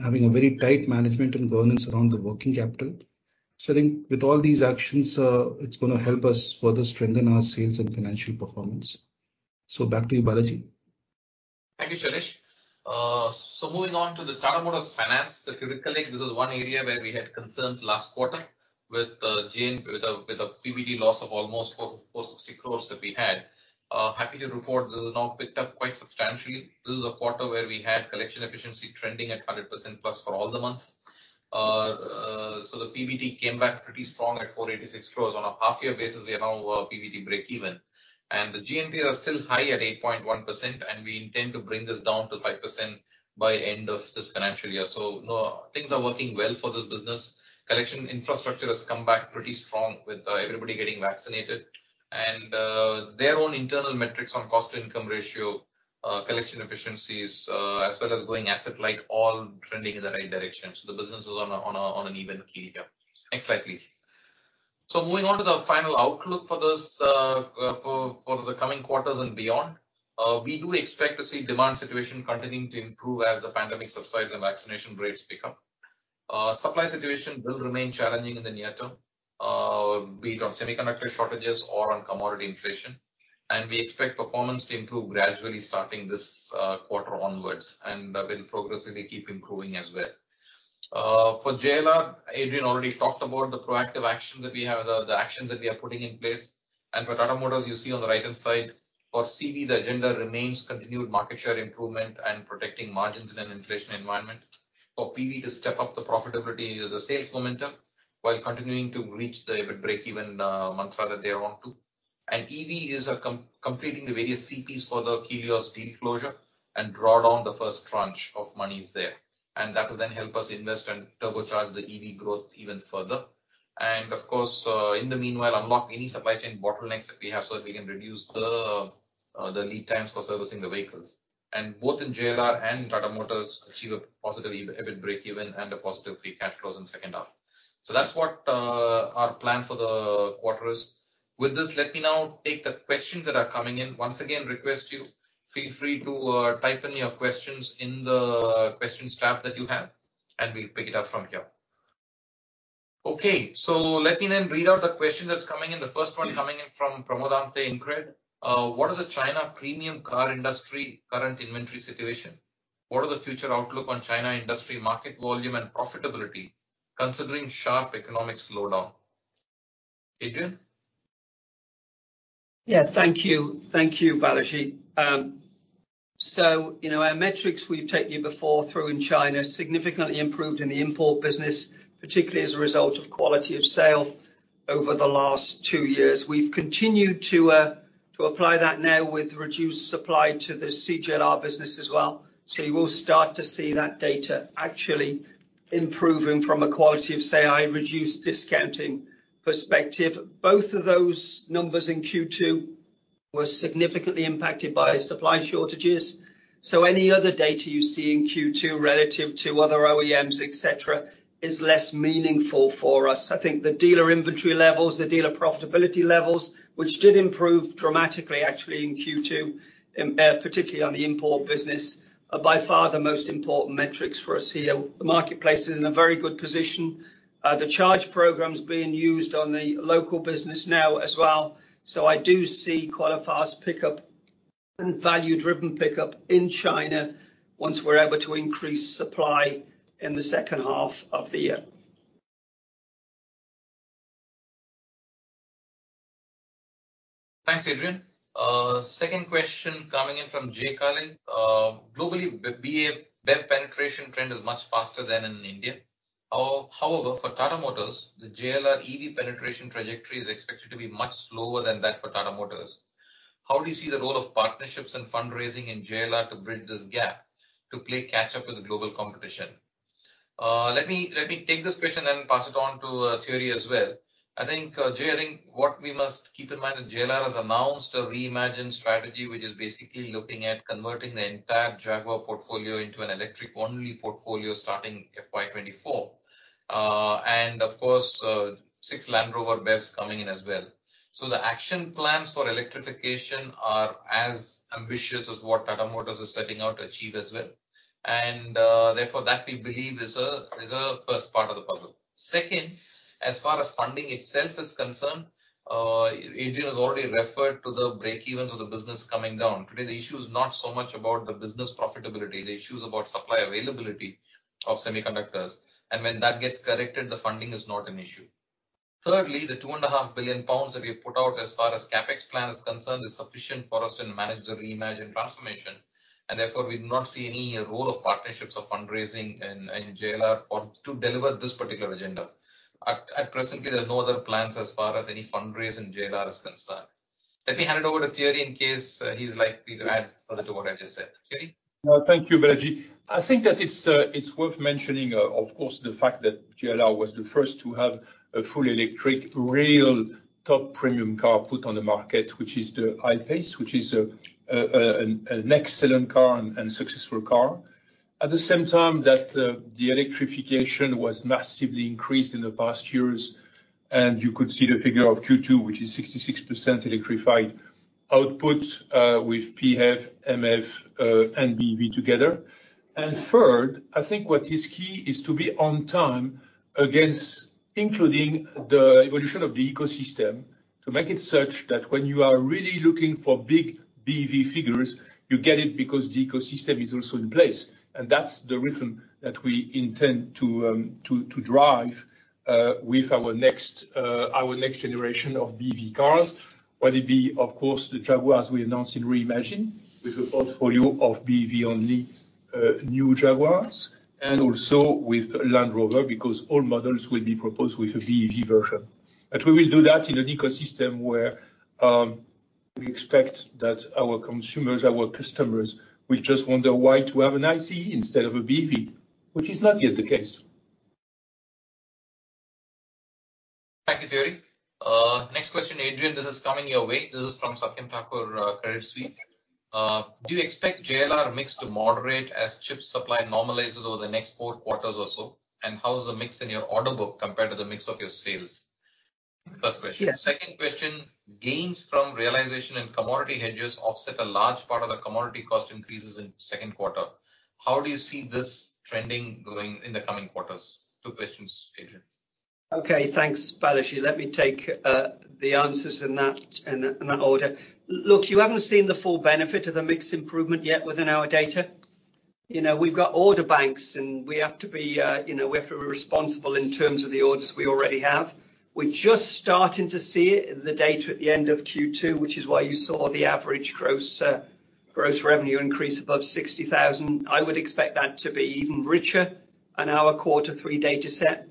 having a very tight management and governance around the working capital. I think with all these actions, it's gonna help us further strengthen our sales and financial performance. Back to you, P.B. Balaji. Thank you, Shailesh. Moving on to the Tata Motors Finance. If you recall, like this is one area where we had concerns last quarter with a PBT loss of almost 4.6 crores that we had. Happy to report this is now picked up quite substantially. This is a quarter where we had collection efficiency trending at +100% for all the months. The PBT came back pretty strong at 486 crores. On a half year basis, we are now PBT breakeven. The GNPA are still high at 8.1%, and we intend to bring this down to 5% by end of this financial year. No, things are working well for this business. Collection infrastructure has come back pretty strong with everybody getting vaccinated. Their own internal metrics on cost-to-income ratio, collection efficiencies, as well as going asset light, all trending in the right direction. The business is on an even keel here. Next slide, please. Moving on to the final outlook for the coming quarters and beyond. We do expect to see demand situation continuing to improve as the pandemic subsides and vaccination rates pick up. Supply situation will remain challenging in the near term, be it on semiconductor shortages or on commodity inflation. We expect performance to improve gradually starting this quarter onwards and will progressively keep improving as well. For JLR, Adrian already talked about the proactive action that we have, the actions that we are putting in place. For Tata Motors, you see on the right-hand side, for CV, the agenda remains continued market share improvement and protecting margins in an inflation environment. For PV, to step up the profitability of the sales momentum while continuing to reach the EBIT breakeven mantra that they are on to. EV is completing the various CPs for the Helios deal closure and draw down the first tranche of monies there. That will then help us invest and turbocharge the EV growth even further. In the meanwhile, unlock any supply chain bottlenecks that we have so that we can reduce the lead times for servicing the vehicles. Both in JLR and Tata Motors achieve a positive EBIT breakeven and a positive free cash flows in second half. That's what our plan for the quarter is. With this, let me now take the questions that are coming in. Once again, request you feel free to type in your questions in the questions tab that you have, and we'll pick it up from here. Okay. Let me then read out the question that's coming in. The first one coming in from Pramod Amthe, InCred. What is the China premium car industry current inventory situation? What are the future outlook on China industry market volume and profitability, considering sharp economic slowdown? Adrian? Yeah. Thank you. Thank you, Balaji. You know, our metrics we've taken you through before in China significantly improved in the import business, particularly as a result of quality of sales over the last two years. We've continued to apply that now with reduced supply to the CJLR business as well. You will start to see that data actually improving from a quality of sales and reduced discounting perspective. Both of those numbers in Q2 were significantly impacted by supply shortages. Any other data you see in Q2 relative to other OEMs, etc., is less meaningful for us. I think the dealer inventory levels, the dealer profitability levels, which did improve dramatically actually in Q2, particularly on the import business, are by far the most important metrics for us here. The marketplace is in a very good position. The Charge programs being used on the local business now as well. I do see quite a fast value-driven pickup in China once we're able to increase supply in the second half of the year. Thanks, Adrian. Second question coming in from Jay Carlin. Globally, BEV penetration trend is much faster than in India. However, for Tata Motors, the JLR EV penetration trajectory is expected to be much slower than that for Tata Motors. How do you see the role of partnerships and fundraising in JLR to bridge this gap to play catch-up with the global competition? Let me take this question, then pass it on to Thierry as well. I think, Jay, what we must keep in mind that JLR has announced a Reimagine strategy, which is basically looking at converting the entire Jaguar portfolio into an electric-only portfolio starting FY 2024. And of course, six Land Rover BEVs coming in as well. The action plans for electrification are as ambitious as what Tata Motors is setting out to achieve as well. Therefore, that we believe is a first part of the puzzle. Second, as far as funding itself is concerned, Adrian has already referred to the break-evens of the business coming down. Today, the issue is not so much about the business profitability, the issue is about supply availability of semiconductors. When that gets corrected, the funding is not an issue. Thirdly, the 2.5 billion pounds that we have put out as far as CapEx plan is concerned is sufficient for us to manage the Reimagine transformation, and therefore, we do not see any role of partnerships or fundraising in JLR to deliver this particular agenda. At present, there are no other plans as far as any fundraise in JLR is concerned. Let me hand it over to Thierry in case he's likely to add further to what I just said. Thierry? No, thank you, Balaji. I think that it's worth mentioning, of course, the fact that JLR was the first to have a fully electric real top premium car put on the market, which is the I-PACE, which is an excellent car and successful car. At the same time that the electrification was massively increased in the past years, and you could see the figure of Q2, which is 66% electrified output, with PHEV, MHEV, and BEV together. Third, I think what is key is to be on time against including the evolution of the ecosystem to make it such that when you are really looking for big BEV figures, you get it because the ecosystem is also in place. That's the rhythm that we intend to drive with our next generation of BEV cars, whether it be, of course, the Jaguar, as we announced in Reimagine, with a portfolio of BEV-only new Jaguars and also with Land Rover, because all models will be proposed with a BEV version. We will do that in an ecosystem where we expect that our consumers, our customers will just wonder why to have an ICE instead of a BEV, which is not yet the case. Thank you, Thierry. Next question, Adrian, this is coming your way. This is from Satyam Thakur, Crédit Suisse. Do you expect JLR mix to moderate as chip supply normalizes over the next four quarters or so? And how is the mix in your order book compared to the mix of your sales? First question. Yeah. Second question, gains from realization and commodity hedges offset a large part of the commodity cost increases in second quarter. How do you see this trending going in the coming quarters? Two questions, Adrian. Okay. Thanks, Balaji. Let me take the answers in that order. Look, you haven't seen the full benefit of the mix improvement yet within our data. You know, we've got order banks, and we have to be responsible in terms of the orders we already have. We're just starting to see it in the data at the end of Q2, which is why you saw the average gross revenue increase above 60,000. I would expect that to be even richer in our quarter three data set.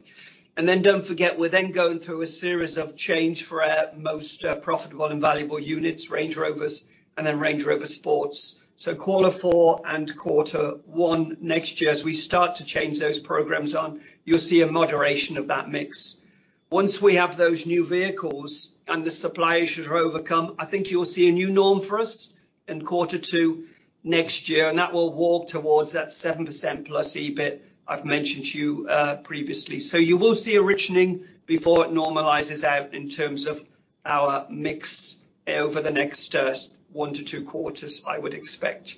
Don't forget, we're then going through a series of change for our most profitable and valuable units, Range Rovers and then Range Rover Sports. Quarter four and quarter one next year, as we start to change those programs on, you'll see a moderation of that mix. Once we have those new vehicles and the supply issues are overcome, I think you'll see a new norm for us in quarter two next year, and that will walk towards that +7% EBIT I've mentioned to you previously. You will see a richening before it normalizes out in terms of our mix over the next 1 quarters-2 quarters, I would expect.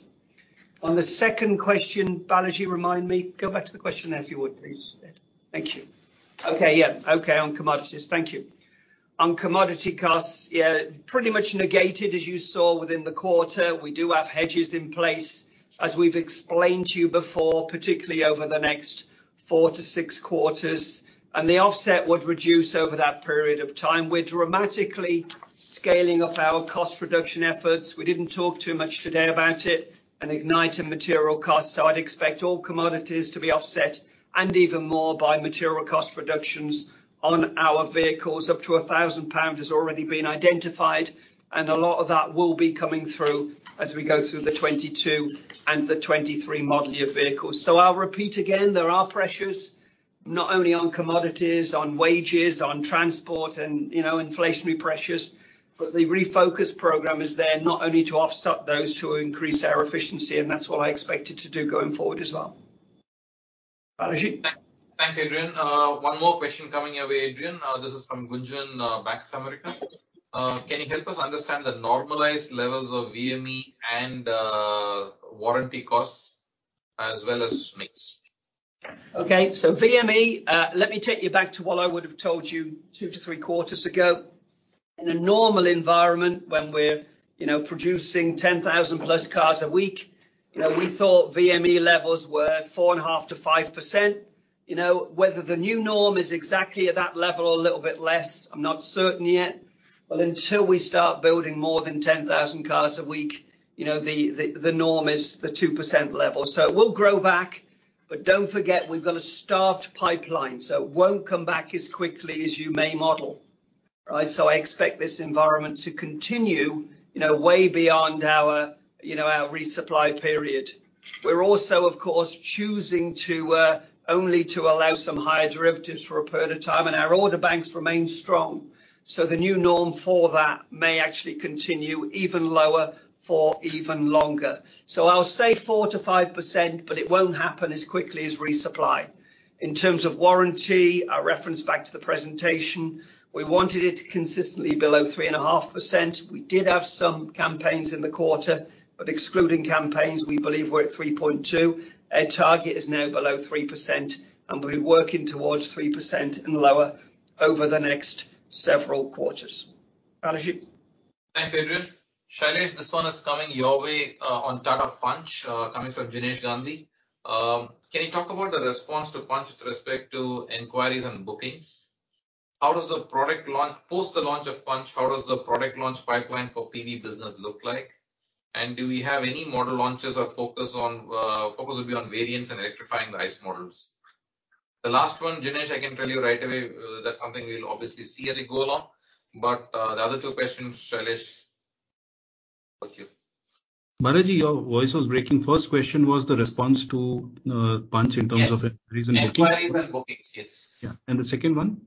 On the second question, Balaji, remind me. Go back to the question there, if you would, please. Thank you. Okay. Yeah, okay, on commodities. Thank you. On commodity costs, yeah, pretty much negated as you saw within the quarter. We do have hedges in place, as we've explained to you before, particularly over the next 4 quarters-6 quarters, and the offset would reduce over that period of time. We're dramatically scaling up our cost reduction efforts. We didn't talk too much today about it, and Ignite and material costs, so I'd expect all commodities to be offset and even more by material cost reductions on our vehicles. Up to 1,000 pounds has already been identified, and a lot of that will be coming through as we go through the 2022 and the 2023 model year vehicles. I'll repeat again, there are pressures not only on commodities, on wages, on transport and, you know, inflationary pressures, but the Refocus program is there not only to offset those, to increase our efficiency, and that's what I expect it to do going forward as well. Balaji? Thanks, Adrian. One more question coming your way, Adrian. This is from Gunjan, Bank of America. Can you help us understand the normalized levels of VME and warranty costs as well as mix? VME, let me take you back to what I would have told you 2 quarters-3 quarters ago. In a normal environment, when we're, you know, producing +10,000 cars a week, you know, we thought VME levels were 4.5%-5%. You know, whether the new norm is exactly at that level or a little bit less, I'm not certain yet. But until we start building more than 10,000 cars a week, you know, the norm is the 2% level. It will grow back, but don't forget we've got a starved pipeline, so it won't come back as quickly as you may model. Right. I expect this environment to continue, you know, way beyond our, you know, our resupply period. We're also, of course, choosing to only allow some higher derivatives for a period of time, and our order banks remain strong. The new norm for that may actually continue even lower for even longer. I'll say 4%-5%, but it won't happen as quickly as resupply. In terms of warranty, I reference back to the presentation. We wanted it consistently below 3.5%. We did have some campaigns in the quarter, but excluding campaigns, we believe we're at 3.2%. Our target is now below 3%, and we're working towards 3% and lower over the next several quarters. Balaji? Thanks, Adrian. Shailesh, this one is coming your way, on Tata Punch, coming from Jinesh Gandhi. Can you talk about the response to Punch with respect to inquiries and bookings? Post the launch of Punch, how does the product launch pipeline for PV business look like? And do we have any model launches or focus will be on variants and electrifying the ICE models? The last one, Jinesh, I can tell you right away, that's something we'll obviously see as we go along. The other two questions, Shailesh, for you. Balaji, your voice was breaking. First question was the response to Punch in terms of inquiries and bookings. Yes. Inquiries and bookings. Yes. Yeah. The second one?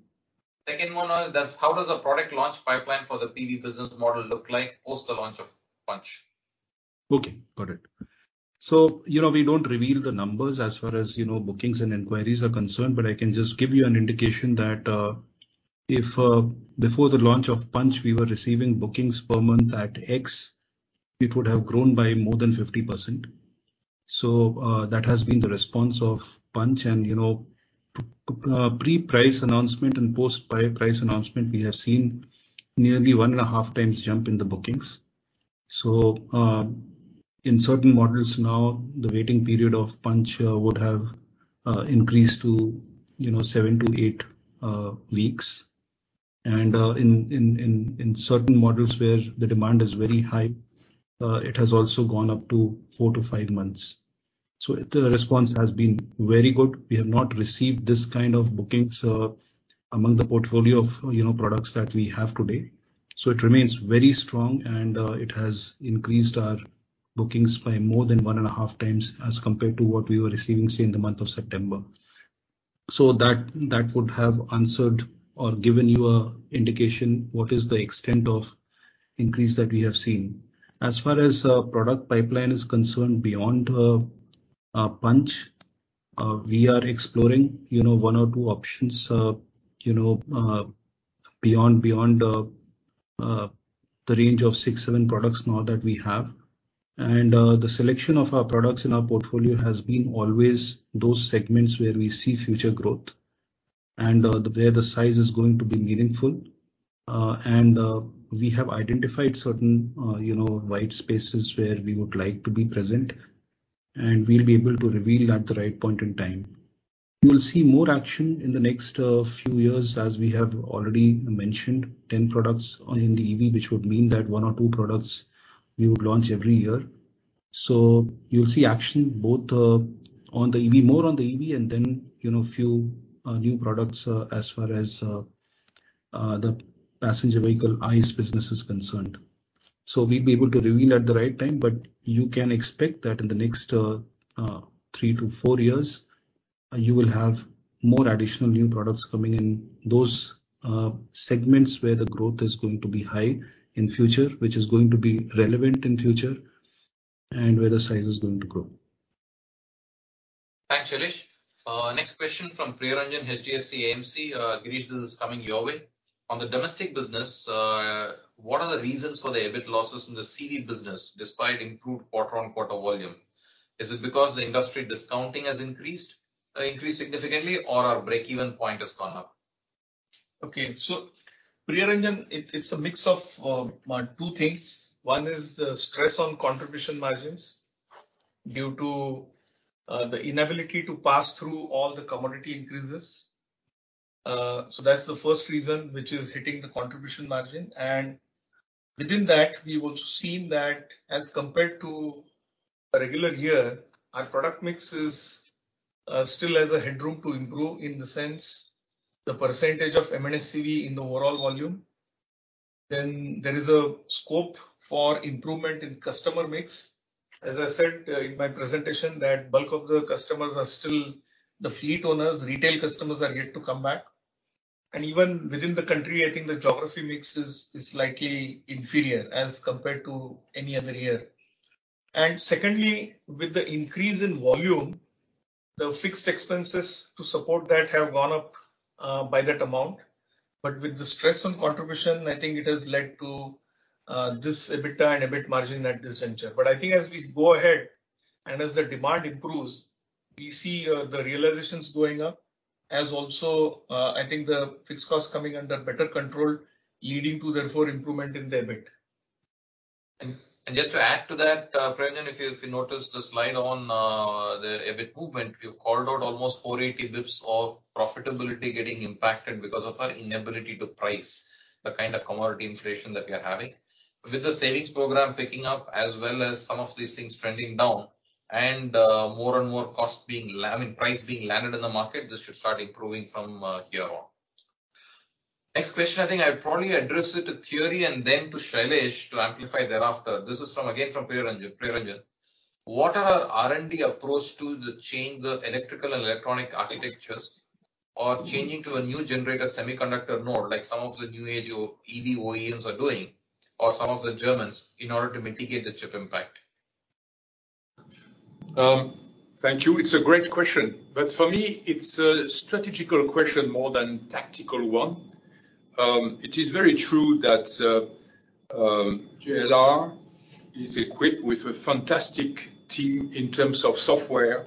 Second one was, how does the product launch pipeline for the PV business model look like post the launch of Punch? Okay. Got it. You know, we don't reveal the numbers as far as, you know, bookings and inquiries are concerned, but I can just give you an indication that before the launch of Punch, we were receiving bookings per month at X, it would have grown by more than 50%. That has been the response of Punch and, you know, pre-price announcement and post-price announcement, we have seen nearly 1.5 times jump in the bookings. In certain models now, the waiting period of Punch would have increased to, you know, 7 weeks-8 weeks. In certain models where the demand is very high, it has also gone up to 4 months-5 months. The response has been very good. We have not received this kind of bookings among the portfolio of, you know, products that we have today. It remains very strong and it has increased our bookings by more than one and a half times as compared to what we were receiving, say, in the month of September. That would have answered or given you an indication what is the extent of increase that we have seen. As far as product pipeline is concerned, beyond Punch, we are exploring, you know, one or two options, you know, beyond the range of 6-7 products now that we have. The selection of our products in our portfolio has been always those segments where we see future growth and where the size is going to be meaningful. We have identified certain, you know, white spaces where we would like to be present, and we'll be able to reveal at the right point in time. You will see more action in the next few years, as we have already mentioned, 10 products in the EV, which would mean that one or two products we would launch every year. You'll see action both on the EV, more on the EV and then, you know, few new products as far as the Passenger Vehicle ICE business is concerned. We'll be able to reveal at the right time, but you can expect that in the next 3 years-4 years, you will have more additional new products coming in those segments where the growth is going to be high in future, which is going to be relevant in future, and where the size is going to grow. Thanks, Shailesh. Next question from Priyaranjan, HDFC AMC. Girish, this is coming your way. On the domestic business, what are the reasons for the EBIT losses in the CV business despite improved QoQ volume? Is it because the industry discounting has increased significantly or our break-even point has gone up? Okay. Priyaranjan, it's a mix of two things. One is the stress on contribution margins due to the inability to pass through all the commodity increases. That's the first reason which is hitting the contribution margin. Within that, we've also seen that as compared to a regular year, our product mix still has a headroom to improve in the sense the percentage of M&SCV in the overall volume. Then there is a scope for improvement in customer mix. As I said in my presentation, that bulk of the customers are still the fleet owners. Retail customers are yet to come back. Even within the country, I think the geography mix is slightly inferior as compared to any other year. Secondly, with the increase in volume, the fixed expenses to support that have gone up by that amount. With the stress on contribution, I think it has led to this Adjusted EBITDA and EBIT margin at this venture. I think as we go ahead and as the demand improves, we see the realizations going up as also I think the fixed costs coming under better control, leading to therefore improvement in the EBIT. Just to add to that, Priyaranjan, if you notice the slide on the EBIT movement, we have called out almost 480 basis points of profitability getting impacted because of our inability to price the kind of commodity inflation that we are having. With the savings program picking up as well as some of these things trending down and more and more costs being, I mean, price being landed in the market, this should start improving from here on. Next question, I think I'll probably address it to Thierry and then to Shailesh to amplify thereafter. This is from, again, Priyaranjan. What is R&D's approach to the change of electrical and electronic architectures or changing to a new generation semiconductor node, like some of the new age EV OEMs are doing or some of the Germans, in order to mitigate the chip impact? Thank you. It's a great question. For me, it's a strategical question more than tactical one. It is very true that JLR is equipped with a fantastic team in terms of software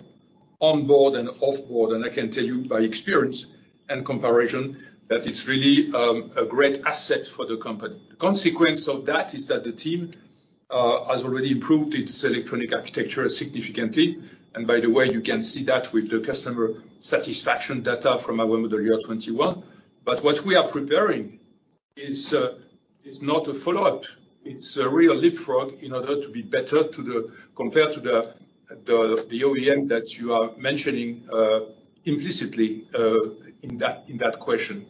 on board and off board, and I can tell you by experience and comparison that it's really a great asset for the company. Consequence of that is that the team has already improved its electronic architecture significantly. By the way, you can see that with the customer satisfaction data from our World Car of the Year 2021. What we are preparing is not a follow-up. It's a real leapfrog in order to be better compared to the OEM that you are mentioning implicitly in that question.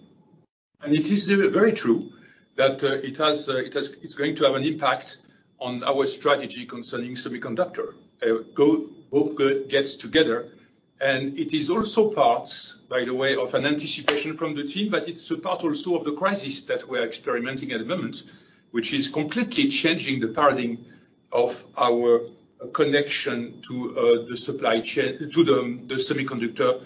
It is very true that it's going to have an impact on our strategy concerning semiconductor. Both good and bad get together. It is also part, by the way, of an anticipation from the team, but it's a part also of the crisis that we're experiencing at the moment, which is completely changing the paradigm of our connection to the supply chain to the semiconductor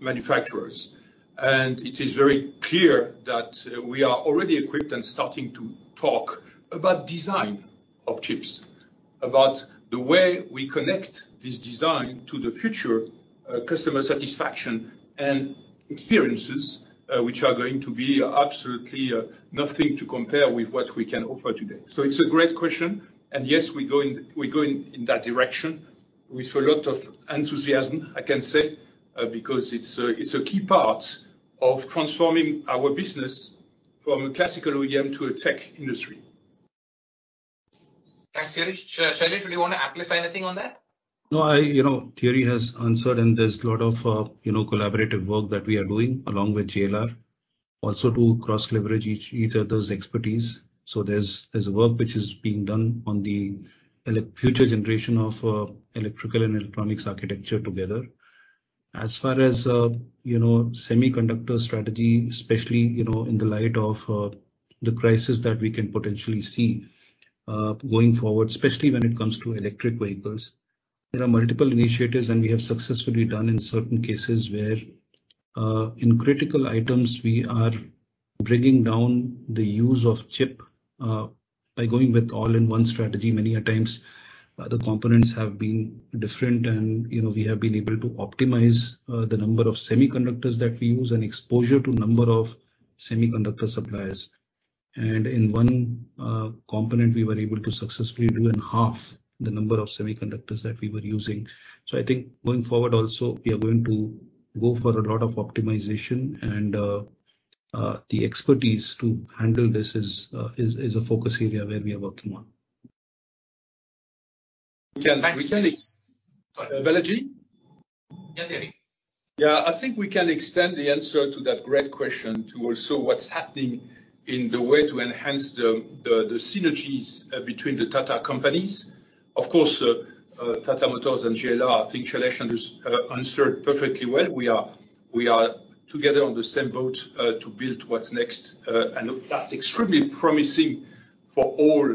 manufacturers. It is very clear that we are already equipped and starting to talk about design of chips, about the way we connect this design to the future customer satisfaction and experiences, which are going to be absolutely nothing to compare with what we can offer today. It's a great question. Yes, we go in that direction with a lot of enthusiasm, I can say, because it's a key part of transforming our business from a classical OEM to a tech industry. Thanks, Thierry. Shailesh, do you want to amplify anything on that? No, you know, Thierry has answered, and there's a lot of, you know, collaborative work that we are doing along with JLR also to cross-leverage each other's expertise. There's work which is being done on the future generation of electrical and electronics architecture together. As far as, you know, semiconductor strategy, especially, you know, in the light of the crisis that we can potentially see going forward, especially when it comes to electric vehicles, there are multiple initiatives, and we have successfully done in certain cases where, in critical items, we are bringing down the use of chip by going with all-in-one strategy. Many a times, the components have been different and, you know, we have been able to optimize the number of semiconductors that we use and exposure to number of semiconductor suppliers. In one component, we were able to successfully halve the number of semiconductors that we were using. I think going forward also, we are going to go for a lot of optimization and the expertise to handle this is a focus area where we are working on. We can ex- Thanks, Shailesh. Sorry. Balaji. Yeah, Thierry. Yeah. I think we can extend the answer to that great question to also what's happening in the way to enhance the synergies between the Tata companies. Of course, Tata Motors and JLR, I think Shailesh has answered perfectly well. We are together on the same boat to build what's next. That's extremely promising for all,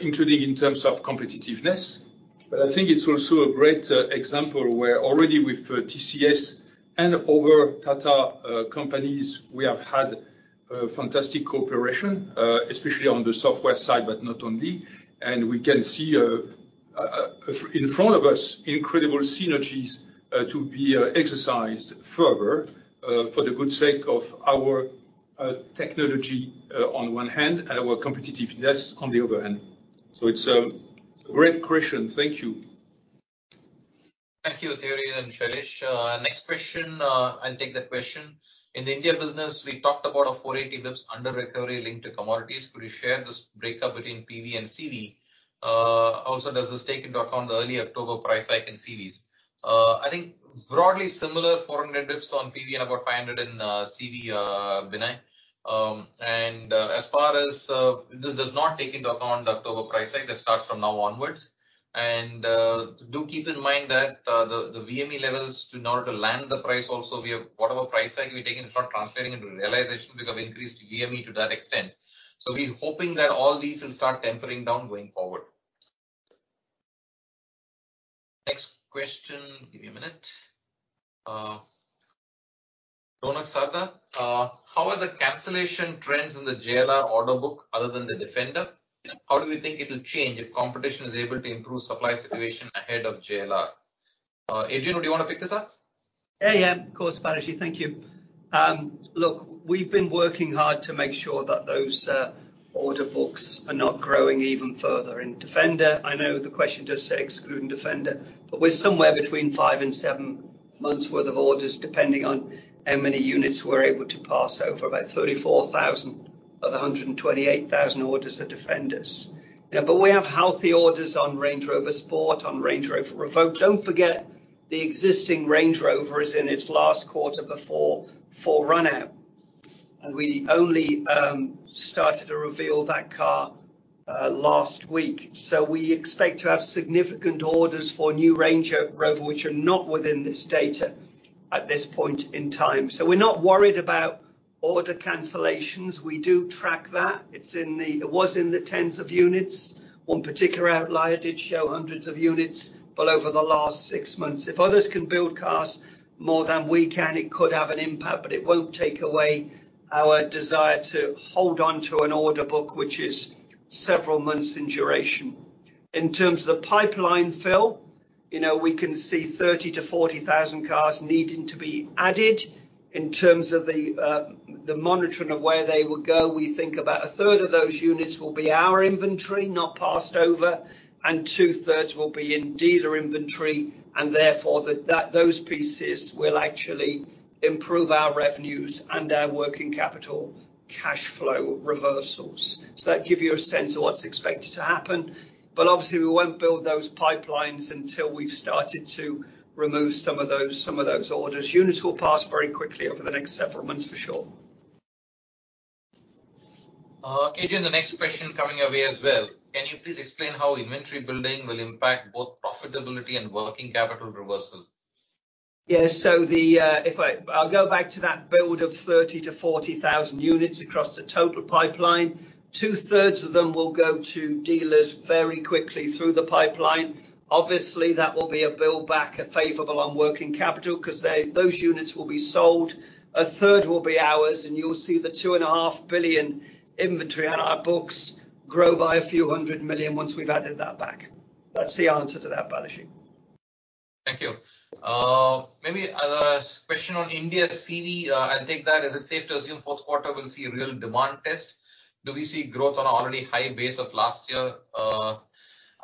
including in terms of competitiveness. But I think it's also a great example where already with TCS and other Tata companies, we have had fantastic cooperation, especially on the software side, but not only. We can see in front of us incredible synergies to be exercised further for the good sake of our technology on one hand and our competitiveness on the other hand. It's a great question. Thank you. Thank you, Thierry and Shailesh. Next question, I'll take that question. In the India business, we talked about a 480 BPS under recovery linked to commodities. Could you share this breakup between PV and CV? Also, does this take into account the early October price hike in CVs? I think broadly similar, 400 BPS on PV and about 500 in CV, Binay. As far as this does not take into account the October price hike. That starts from now onwards. Do keep in mind that the VME levels too in order to land the price also, we have whatever price hike we've taken, it's not translating into realization because of increased VME to that extent. So we're hoping that all these will start tempering down going forward. Next question. Give me a minute. Ronak Sarda, how are the cancellation trends in the JLR order book other than the Defender? How do you think it will change if competition is able to improve supply situation ahead of JLR? Adrian, would you wanna pick this up? Yeah, yeah, of course, Balaji. Thank you. Look, we've been working hard to make sure that those order books are not growing even further. In Defender, I know the question does say excluding Defender, but we're somewhere between 5 months - 7 months worth of orders depending on how many units we're able to pass over, about 34,000 of the 128,000 orders are Defenders. Yeah, but we have healthy orders on Range Rover Sport, on Range Rover Evoque. Don't forget the existing Range Rover is in its last quarter before full run out. We only started to reveal that car last week. So we expect to have significant orders for new Range Rover, which are not within this data at this point in time. So we're not worried about order cancellations. We do track that. It's in the It was in the tens of units. One particular outlier did show hundreds of units. Over the last 6 months, if others can build cars more than we can, it could have an impact, but it won't take away our desire to hold onto an order book which is several months in duration. In terms of the pipeline fill, you know, we can see 30,000-40,000 cars needing to be added. In terms of the monitoring of where they will go, we think about a third of those units will be our inventory not passed over, and two-thirds will be in dealer inventory, and therefore those pieces will actually improve our revenues and our working capital cashflow reversals. Does that give you a sense of what's expected to happen? Obviously we won't build those pipelines until we've started to remove some of those orders. Units will pass very quickly over the next several months, for sure. Adrian, the next question coming your way as well. Can you please explain how inventory building will impact both profitability and working capital reversal? Yes. I'll go back to that build of 30,000-40,000 units across the total pipeline. 2/3 of them will go to dealers very quickly through the pipeline. Obviously, that will be a build back favorable on working capital 'cause they, those units will be sold. A third will be ours, and you'll see the 2.5 billion inventory on our books grow by INR a few hundred million once we've added that back. That's the answer to that, Balaji. Thank you. Maybe another question on India CV, I'll take that. Is it safe to assume fourth quarter we'll see a real demand test? Do we see growth on an already high base of last year?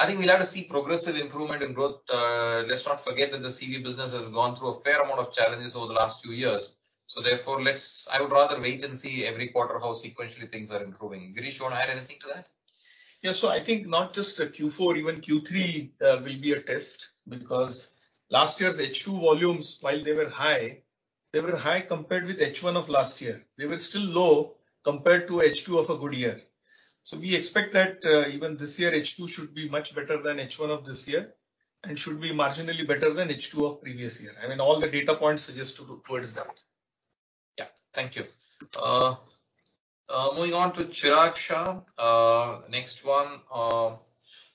I think we'll have to see progressive improvement in growth. Let's not forget that the CV business has gone through a fair amount of challenges over the last few years. Therefore, I would rather wait and see every quarter how sequentially things are improving. Girish, you wanna add anything to that? I think not just Q4, even Q3 will be a test because last year's H2 volumes, while they were high, they were high compared with H1 of last year. They were still low compared to H2 of a good year. We expect that even this year, H2 should be much better than H1 of this year and should be marginally better than H2 of previous year. I mean, all the data points suggest to look towards that. Yeah. Thank you. Moving on to Chirag Shah. Next one,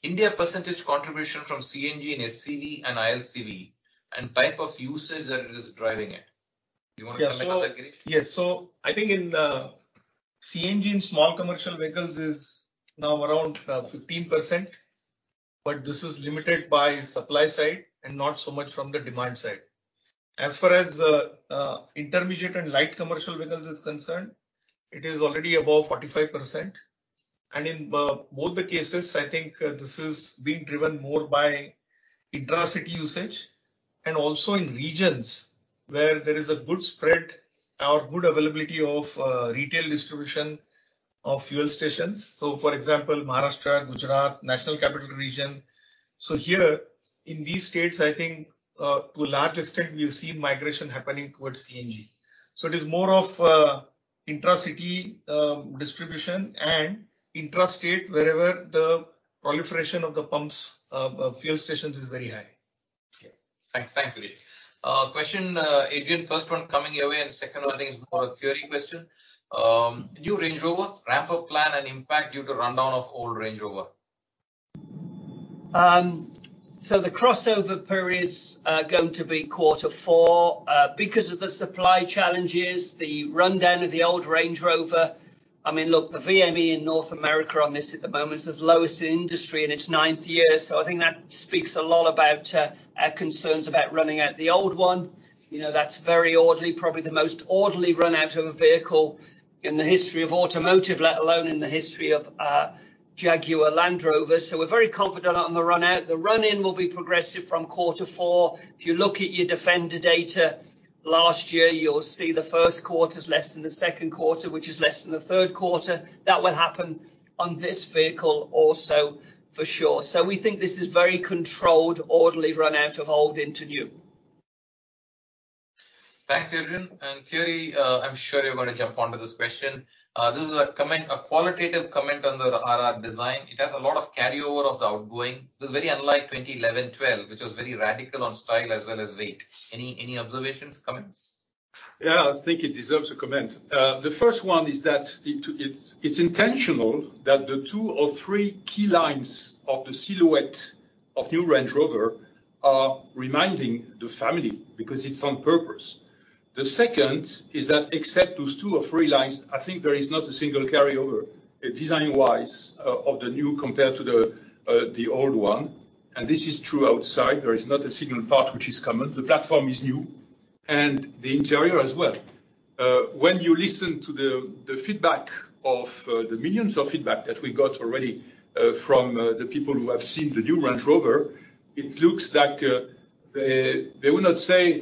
India's percentage contribution from CNG, SCV, and ILCV and type of usage that is driving it. You wanna comment on that, Girish? I think in CNG in small commercial vehicles is now around 15%, but this is limited by supply side and not so much from the demand side. As far as intermediate and light commercial vehicles is concerned, it is already above 45%. In both the cases, I think this is being driven more by intra-city usage and also in regions where there is a good spread or good availability of retail distribution of fuel stations. For example, Maharashtra, Gujarat, National Capital Region. Here in these states, I think to a large extent we'll see migration happening towards CNG. It is more of intra-city distribution and intra-state wherever the proliferation of the pumps fuel stations is very high. Okay. Thanks. Thank you. Question, Adrian, first one coming your way, and second one thing is more a theory question. New Range Rover ramp-up plan and impact due to rundown of old Range Rover. The crossover period's going to be quarter four. Because of the supply challenges, the rundown of the old Range Rover, I mean, look, the VME in North America on this at the moment is lowest in industry in its ninth year. I think that speaks a lot about our concerns about running out the old one. You know, that's very orderly, probably the most orderly run out of a vehicle in the history of automotive, let alone in the history of Jaguar Land Rover. We're very confident on the run out. The run in will be progressive from quarter four. If you look at your Defender data last year, you'll see the first quarter's less than the second quarter, which is less than the third quarter. That will happen on this vehicle also for sure. We think this is very controlled, orderly run out of old into new. Thanks, Adrian. Thierry, I'm sure you're gonna jump onto this question. This is a comment, a qualitative comment on the RR design. It has a lot of carryover of the outgoing. It's very unlike 2011, 2012, which was very radical on style as well as weight. Any observations, comments? Yeah, I think it deserves a comment. The first one is that it's intentional that the two or three key lines of the silhouette of new Range Rover are reminding the family, because it's on purpose. The second is that except those two or three lines, I think there is not a single carryover, design-wise of the new compared to the old one, and this is true outside. There is not a single part which is common. The platform is new and the interior as well. When you listen to the feedback of the millions of feedback that we got already from the people who have seen the new Range Rover, it looks like they would not say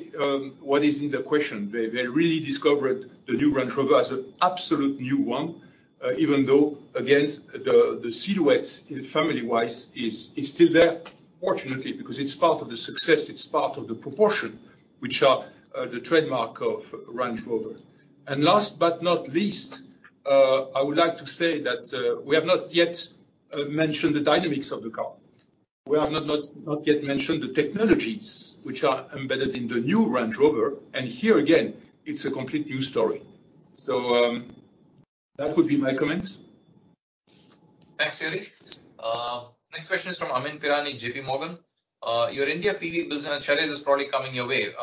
what is in the question. They really discovered the new Range Rover as an absolutely new one. Even though against the silhouette family-wise is still there. Fortunately, because it's part of the success, it's part of the proportion, which are the trademark of Range Rover. Last but not least, I would like to say that we have not yet mentioned the dynamics of the car. We have not yet mentioned the technologies which are embedded in the new Range Rover. Here again, it's a complete new story. That would be my comments. Thanks, Thierry. Next question is from Amyn Pirani, JPMorgan. Your India PV business, and Shailesh is probably coming your way.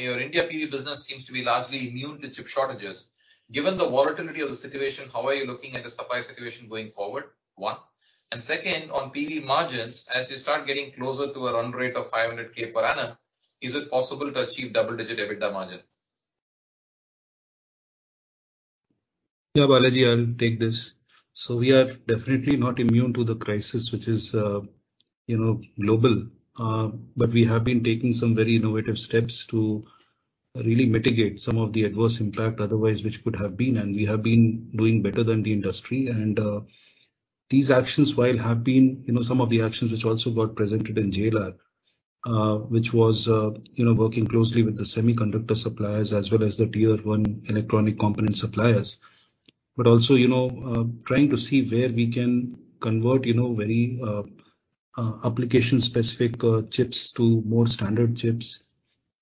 Your India PV business seems to be largely immune to chip shortages. Given the volatility of the situation, how are you looking at the supply situation going forward? One. And second, on PE margins, as you start getting closer to a run rate of 500,000 per annum, is it possible to achieve double-digit EBITDA margin? Yeah, Balaji, I'll take this. We are definitely not immune to the crisis, which is, you know, global. We have been taking some very innovative steps to really mitigate some of the adverse impact otherwise which could have been, and we have been doing better than the industry. These actions, which have been, you know, some of the actions which also got presented in JLR, which was, you know, working closely with the semiconductor suppliers as well as the tier one electronic component suppliers. Trying to see where we can convert, you know, very application-specific chips to more standard chips.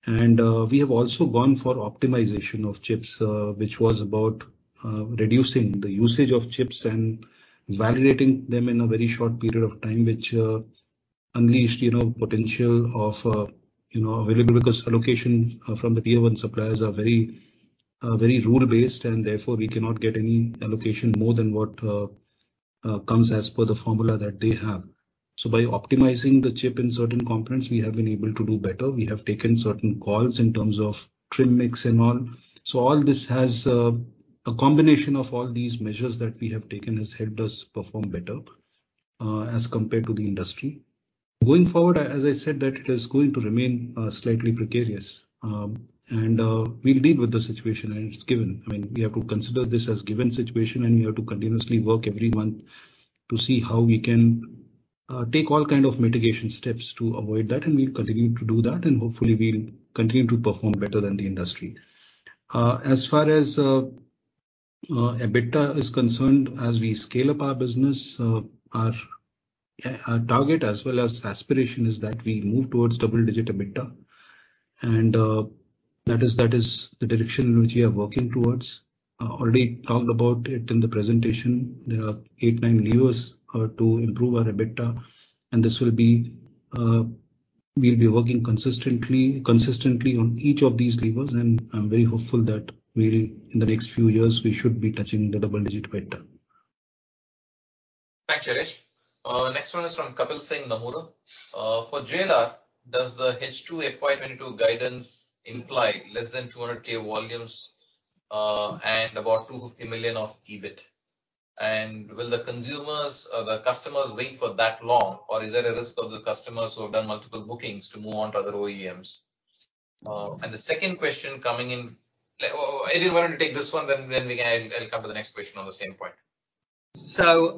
We have also gone for optimization of chips, which was about reducing the usage of chips and validating them in a very short period of time, which unleashed, you know, potential of, you know, available. Because allocation from the tier one suppliers are very rule-based, and therefore we cannot get any allocation more than what comes as per the formula that they have. By optimizing the chip in certain components, we have been able to do better. We have taken certain calls in terms of trim mix and all. All this has a combination of all these measures that we have taken has helped us perform better as compared to the industry. Going forward, as I said, that it is going to remain slightly precarious. We'll deal with the situation and it's given. I mean, we have to consider this as given situation, and we have to continuously work every month to see how we can take all kind of mitigation steps to avoid that, and we'll continue to do that, and hopefully we'll continue to perform better than the industry. As far as Adjusted EBITDA is concerned, as we scale up our business, our target as well as aspiration is that we move towards double-digit Adjusted EBITDA. That is the direction which we are working towards. I already talked about it in the presentation. There are eight to nine levers to improve our Adjusted EBITDA, and we'll be working consistently on each of these levers, and I'm very hopeful that we'll, in the next few years, we should be touching the double-digit Adjusted EBITDA. Thanks, Shailesh. Next one is from Kapil Singh, Nomura. For JLR, does the H2 FY 2022 guidance imply less than 200,000 volumes, and about 250 million of EBIT? Will the consumers or the customers wait for that long, or is there a risk of the customers who have done multiple bookings to move on to other OEMs? The second question coming in. Adrian, why don't you take this one, then we can. I'll come to the next question on the same point.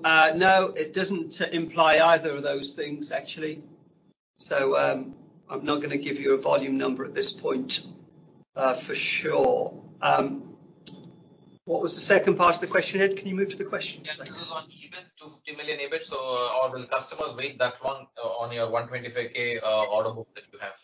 No, it doesn't imply either of those things, actually. I'm not gonna give you a volume number at this point, for sure. What was the second part of the question, Ed? Can you move to the question please? Yes. It was on EBIT, 250 million EBIT. Or will customers wait that long on your 125,000 order book that you have?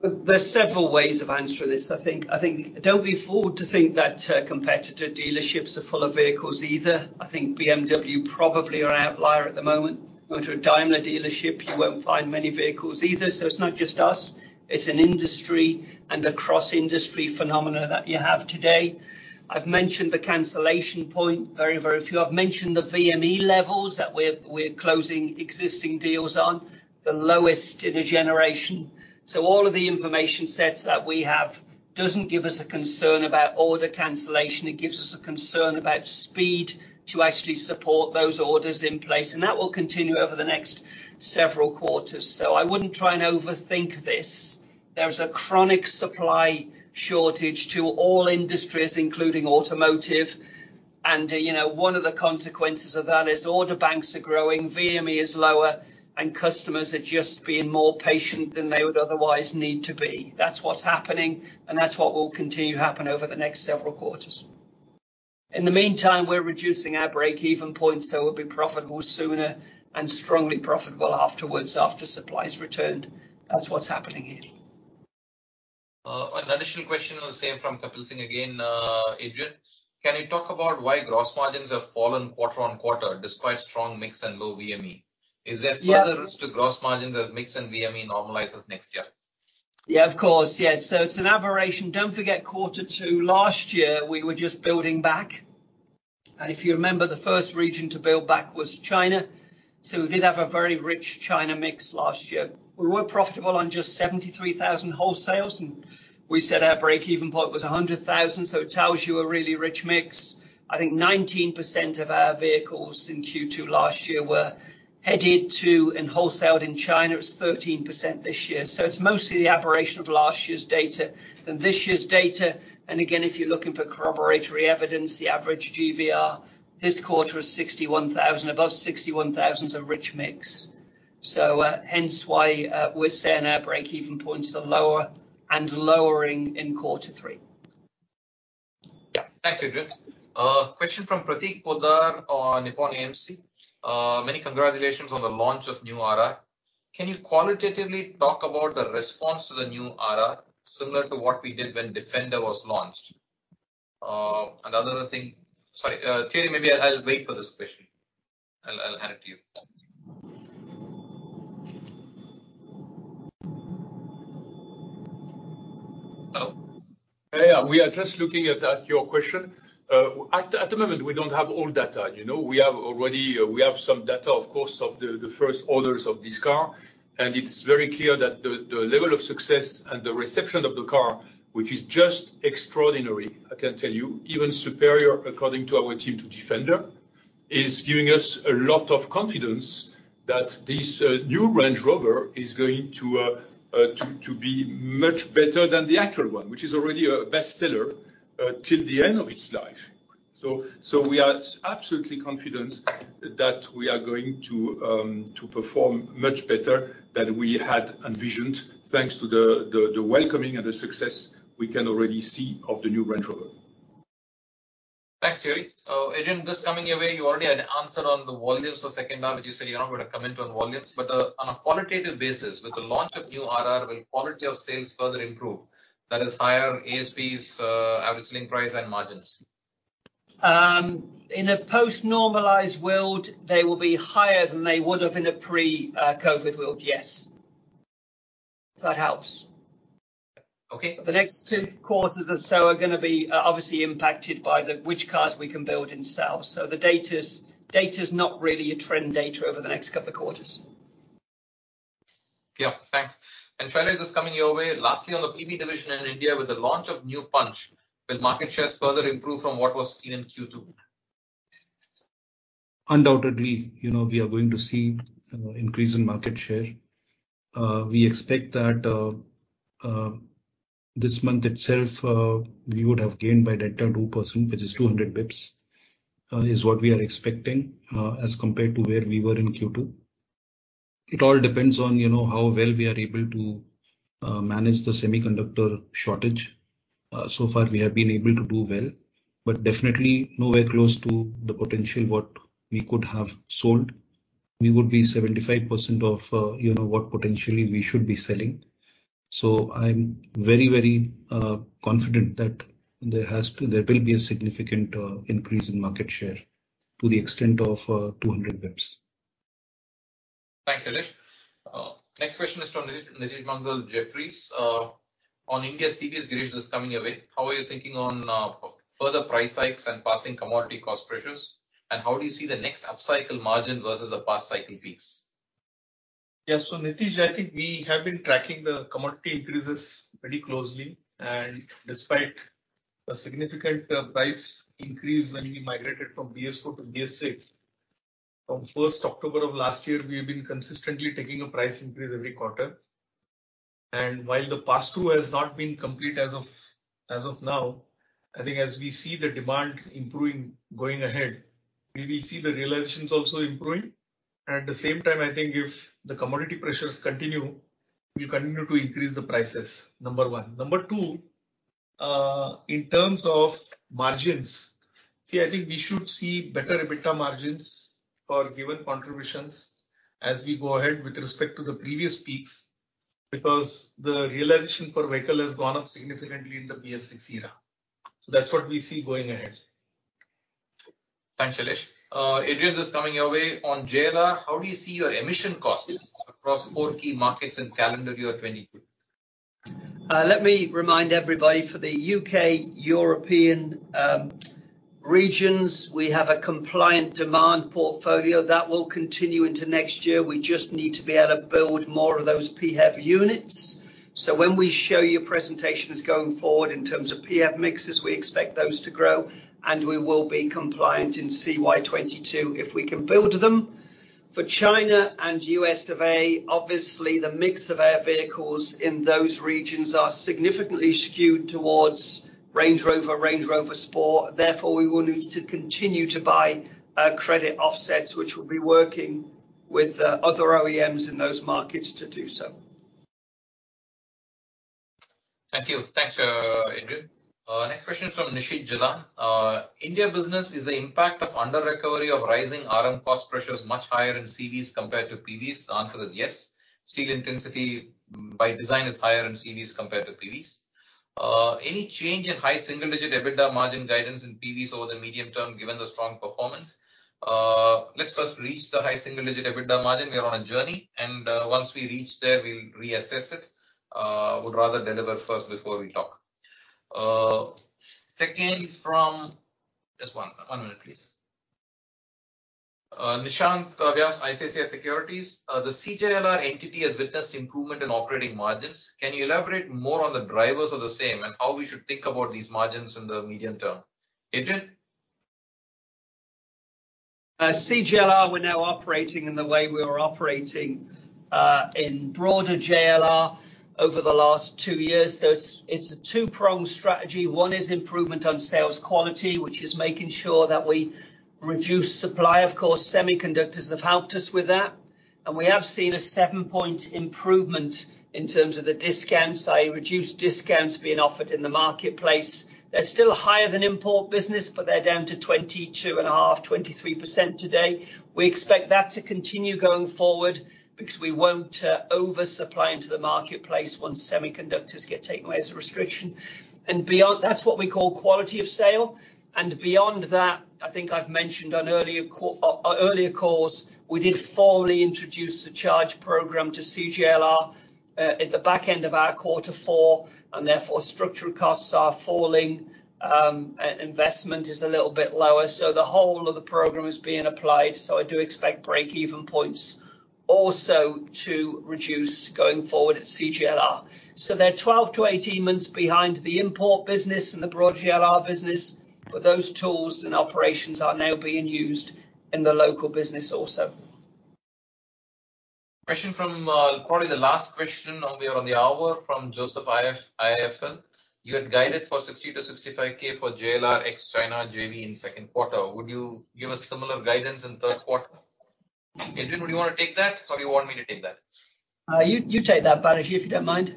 There's several ways of answering this, I think. I think don't be fooled to think that, competitor dealerships are full of vehicles either. I think BMW probably are an outlier at the moment. Go to a Daimler dealership, you won't find many vehicles either. It's not just us, it's an industry and across industry phenomena that you have today. I've mentioned the cancellation point, very, very few. I've mentioned the VME levels that we're closing existing deals on, the lowest in a generation. All of the information sets that we have doesn't give us a concern about order cancellation. It gives us a concern about speed to actually support those orders in place, and that will continue over the next several quarters. I wouldn't try and overthink this. There's a chronic supply shortage to all industries, including automotive. You know, one of the consequences of that is order banks are growing, VME is lower, and customers are just being more patient than they would otherwise need to be. That's what's happening, and that's what will continue to happen over the next several quarters. In the meantime, we're reducing our break-even point, so we'll be profitable sooner and strongly profitable afterwards, after supply has returned. That's what's happening here. An additional question, the same from Kapil Singh again, Adrian. Can you talk about why gross margins have fallen QoQ despite strong mix and low VME? Is there further risk to gross margins as mix and VME normalizes next year? Yeah, of course. Yeah. It's an aberration. Don't forget quarter two last year, we were just building back. If you remember, the first region to build back was China. We did have a very rich China mix last year. We were profitable on just 73,000 wholesales, and our break-even point was 100,000. It tells you a really rich mix. I think 19% of our vehicles in Q2 last year were headed to and wholesaled in China. It was 13% this year. It's mostly the aberration of last year's data than this year's data. Again, if you're looking for corroboratory evidence, the average GVR this quarter was 61,000. Above 61,000 is a rich mix. Hence why we're setting our break-even point to the lower and lowering in quarter three. Yeah. Thanks, Adrian. Question from Prateek Poddar on Nippon AMC. Many congratulations on the launch of new RR. Can you qualitatively talk about the response to the new RR, similar to what we did when Defender was launched? Another thing. Sorry, Thierry, maybe I'll wait for this question. I'll hand it to you. Hello. Yeah, we are just looking at your question. At the moment, we don't have all data. You know, we have some data, of course, of the first orders of this car. It's very clear that the level of success and the reception of the car, which is just extraordinary, I can tell you, even superior, according to our team, to Defender, is giving us a lot of confidence that this new Range Rover is going to be much better than the actual one, which is already a bestseller till the end of its life. We are absolutely confident that we are going to perform much better than we had envisioned, thanks to the welcoming and the success we can already see of the new Range Rover. Thanks, Thierry. Adrian, this coming your way. You already had answered on the volumes for second half, but you said you're not gonna comment on volumes. On a qualitative basis, with the launch of new RR, will quality of sales further improve? That is higher ASPs, average selling price, and margins. In a post-normalized world, they will be higher than they would have in a pre-COVID world, yes. If that helps. Okay. The next two quarters or so are gonna be obviously impacted by which cars we can build and sell. The data's not really trend data over the next couple of quarters. Yeah. Thanks. Shailesh, this coming your way. Lastly, on the PV division in India, with the launch of new Punch, will market shares further improve from what was seen in Q2? Undoubtedly, you know, we are going to see an increase in market share. We expect that this month itself, we would have gained by delta 2%, which is 200 basis points, is what we are expecting, as compared to where we were in Q2. It all depends on, you know, how well we are able to manage the semiconductor shortage. So far we have been able to do well, but definitely nowhere close to the potential what we could have sold. We would be 75% of, you know, what potentially we should be selling. I'm very confident that there will be a significant increase in market share to the extent of 200 basis points. Thanks, Shailesh. Next question is from Nitish Mangal, Jefferies. On India CVs, Girish, this coming your way. How are you thinking on further price hikes and passing commodity cost pressures? And how do you see the next upcycle margin versus the past cycle peaks? Yeah. Nitish, I think we have been tracking the commodity increases pretty closely. Despite a significant price increase when we migrated from BS4 to BS6, from first October of last year, we have been consistently taking a price increase every quarter. While the pass through has not been complete as of now, I think as we see the demand improving going ahead, we will see the realizations also improving. At the same time, I think if the commodity pressures continue, we'll continue to increase the prices, number one. Number two, in terms of margins, see, I think we should see better EBITDA margins for given contributions as we go ahead with respect to the previous peaks, because the realization per vehicle has gone up significantly in the BS6 era. That's what we see going ahead. Thanks, Shailesh. Adrian, this coming your way. On JLR, how do you see your emission costs across four key markets in calendar year 2022? Let me remind everybody, for the U.K., European, regions, we have a compliant demand portfolio. That will continue into next year. We just need to be able to build more of those PHEV units. When we show you presentations going forward in terms of PHEV mixes, we expect those to grow, and we will be compliant in CY 2022 if we can build them. For China and U.S. of A, obviously the mix of our vehicles in those regions are significantly skewed towards Range Rover, Range Rover Sport. Therefore, we will need to continue to buy credit offsets, which we'll be working with other OEMs in those markets to do so. Thank you. Thanks, Adrian. Next question is from Nishit Jha. In India business, is the impact of under recovery of rising RM cost pressures much higher in CVs compared to PVs? Answer is yes. Steel intensity by design is higher in CVs compared to PVs. Any change in high single-digit EBITDA margin guidance in PVs over the medium term, given the strong performance? Let's first reach the high single-digit EBITDA margin. We are on a journey, and once we reach there, we'll reassess it. Would rather deliver first before we talk. Second from... Just one minute, please. Nishant Vyas, ICICI Securities. The CJLR entity has witnessed improvement in operating margins. Can you elaborate more on the drivers of the same, and how we should think about these margins in the medium term? Adrian? CJLR, we're now operating in the way we were operating in broader JLR over the last two years. It's a two pronged strategy. One is improvement on sales quality, which is making sure that we reduce supply. Of course, semiconductors have helped us with that. We have seen a seven point improvement in terms of the discounts, i.e., reduced discounts being offered in the marketplace. They're still higher than import business, but they're down to 22.5%-23% today. We expect that to continue going forward because we won't oversupply into the marketplace once semiconductors get taken away as a restriction. Beyond. That's what we call quality of sale. Beyond that, I think I've mentioned on earlier calls, we did formally introduce the Project Charge program to CJLR at the back end of our quarter four, and therefore structural costs are falling. Investment is a little bit lower, so the whole of the program is being applied. I do expect break-even points also to reduce going forward at CJLR. They're 12 months-18 months behind the import business and the broad JLR business, but those tools and operations are now being used in the local business also. Question from, probably the last question and we are on the hour, from Joseph George. You had guided for 60,000-65,000 for JLR ex China JV in second quarter. Would you give a similar guidance in third quarter? Adrian, would you wanna take that or you want me to take that? You take that, PB Balaji, if you don't mind.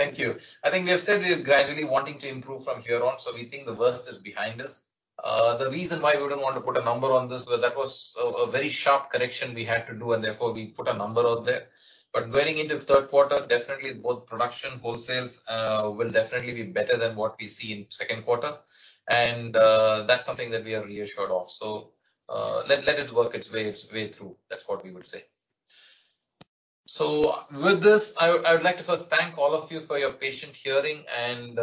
Thank you. I think we have said we are gradually wanting to improve from here on, so we think the worst is behind us. The reason why we wouldn't want to put a number on this was that was a very sharp correction we had to do, and therefore we put a number out there. Going into third quarter, definitely both production, wholesales, will definitely be better than what we see in second quarter. That's something that we are reassured of. Let it work its way through. That's what we would say. With this, I would like to first thank all of you for your patient hearing and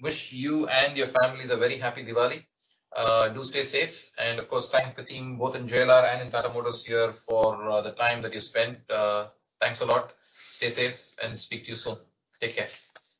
wish you and your families a very happy Diwali. Do stay safe. Of course, thank the team both in JLR and in Tata Motors here for the time that you spent. Thanks a lot. Stay safe, and speak to you soon. Take care.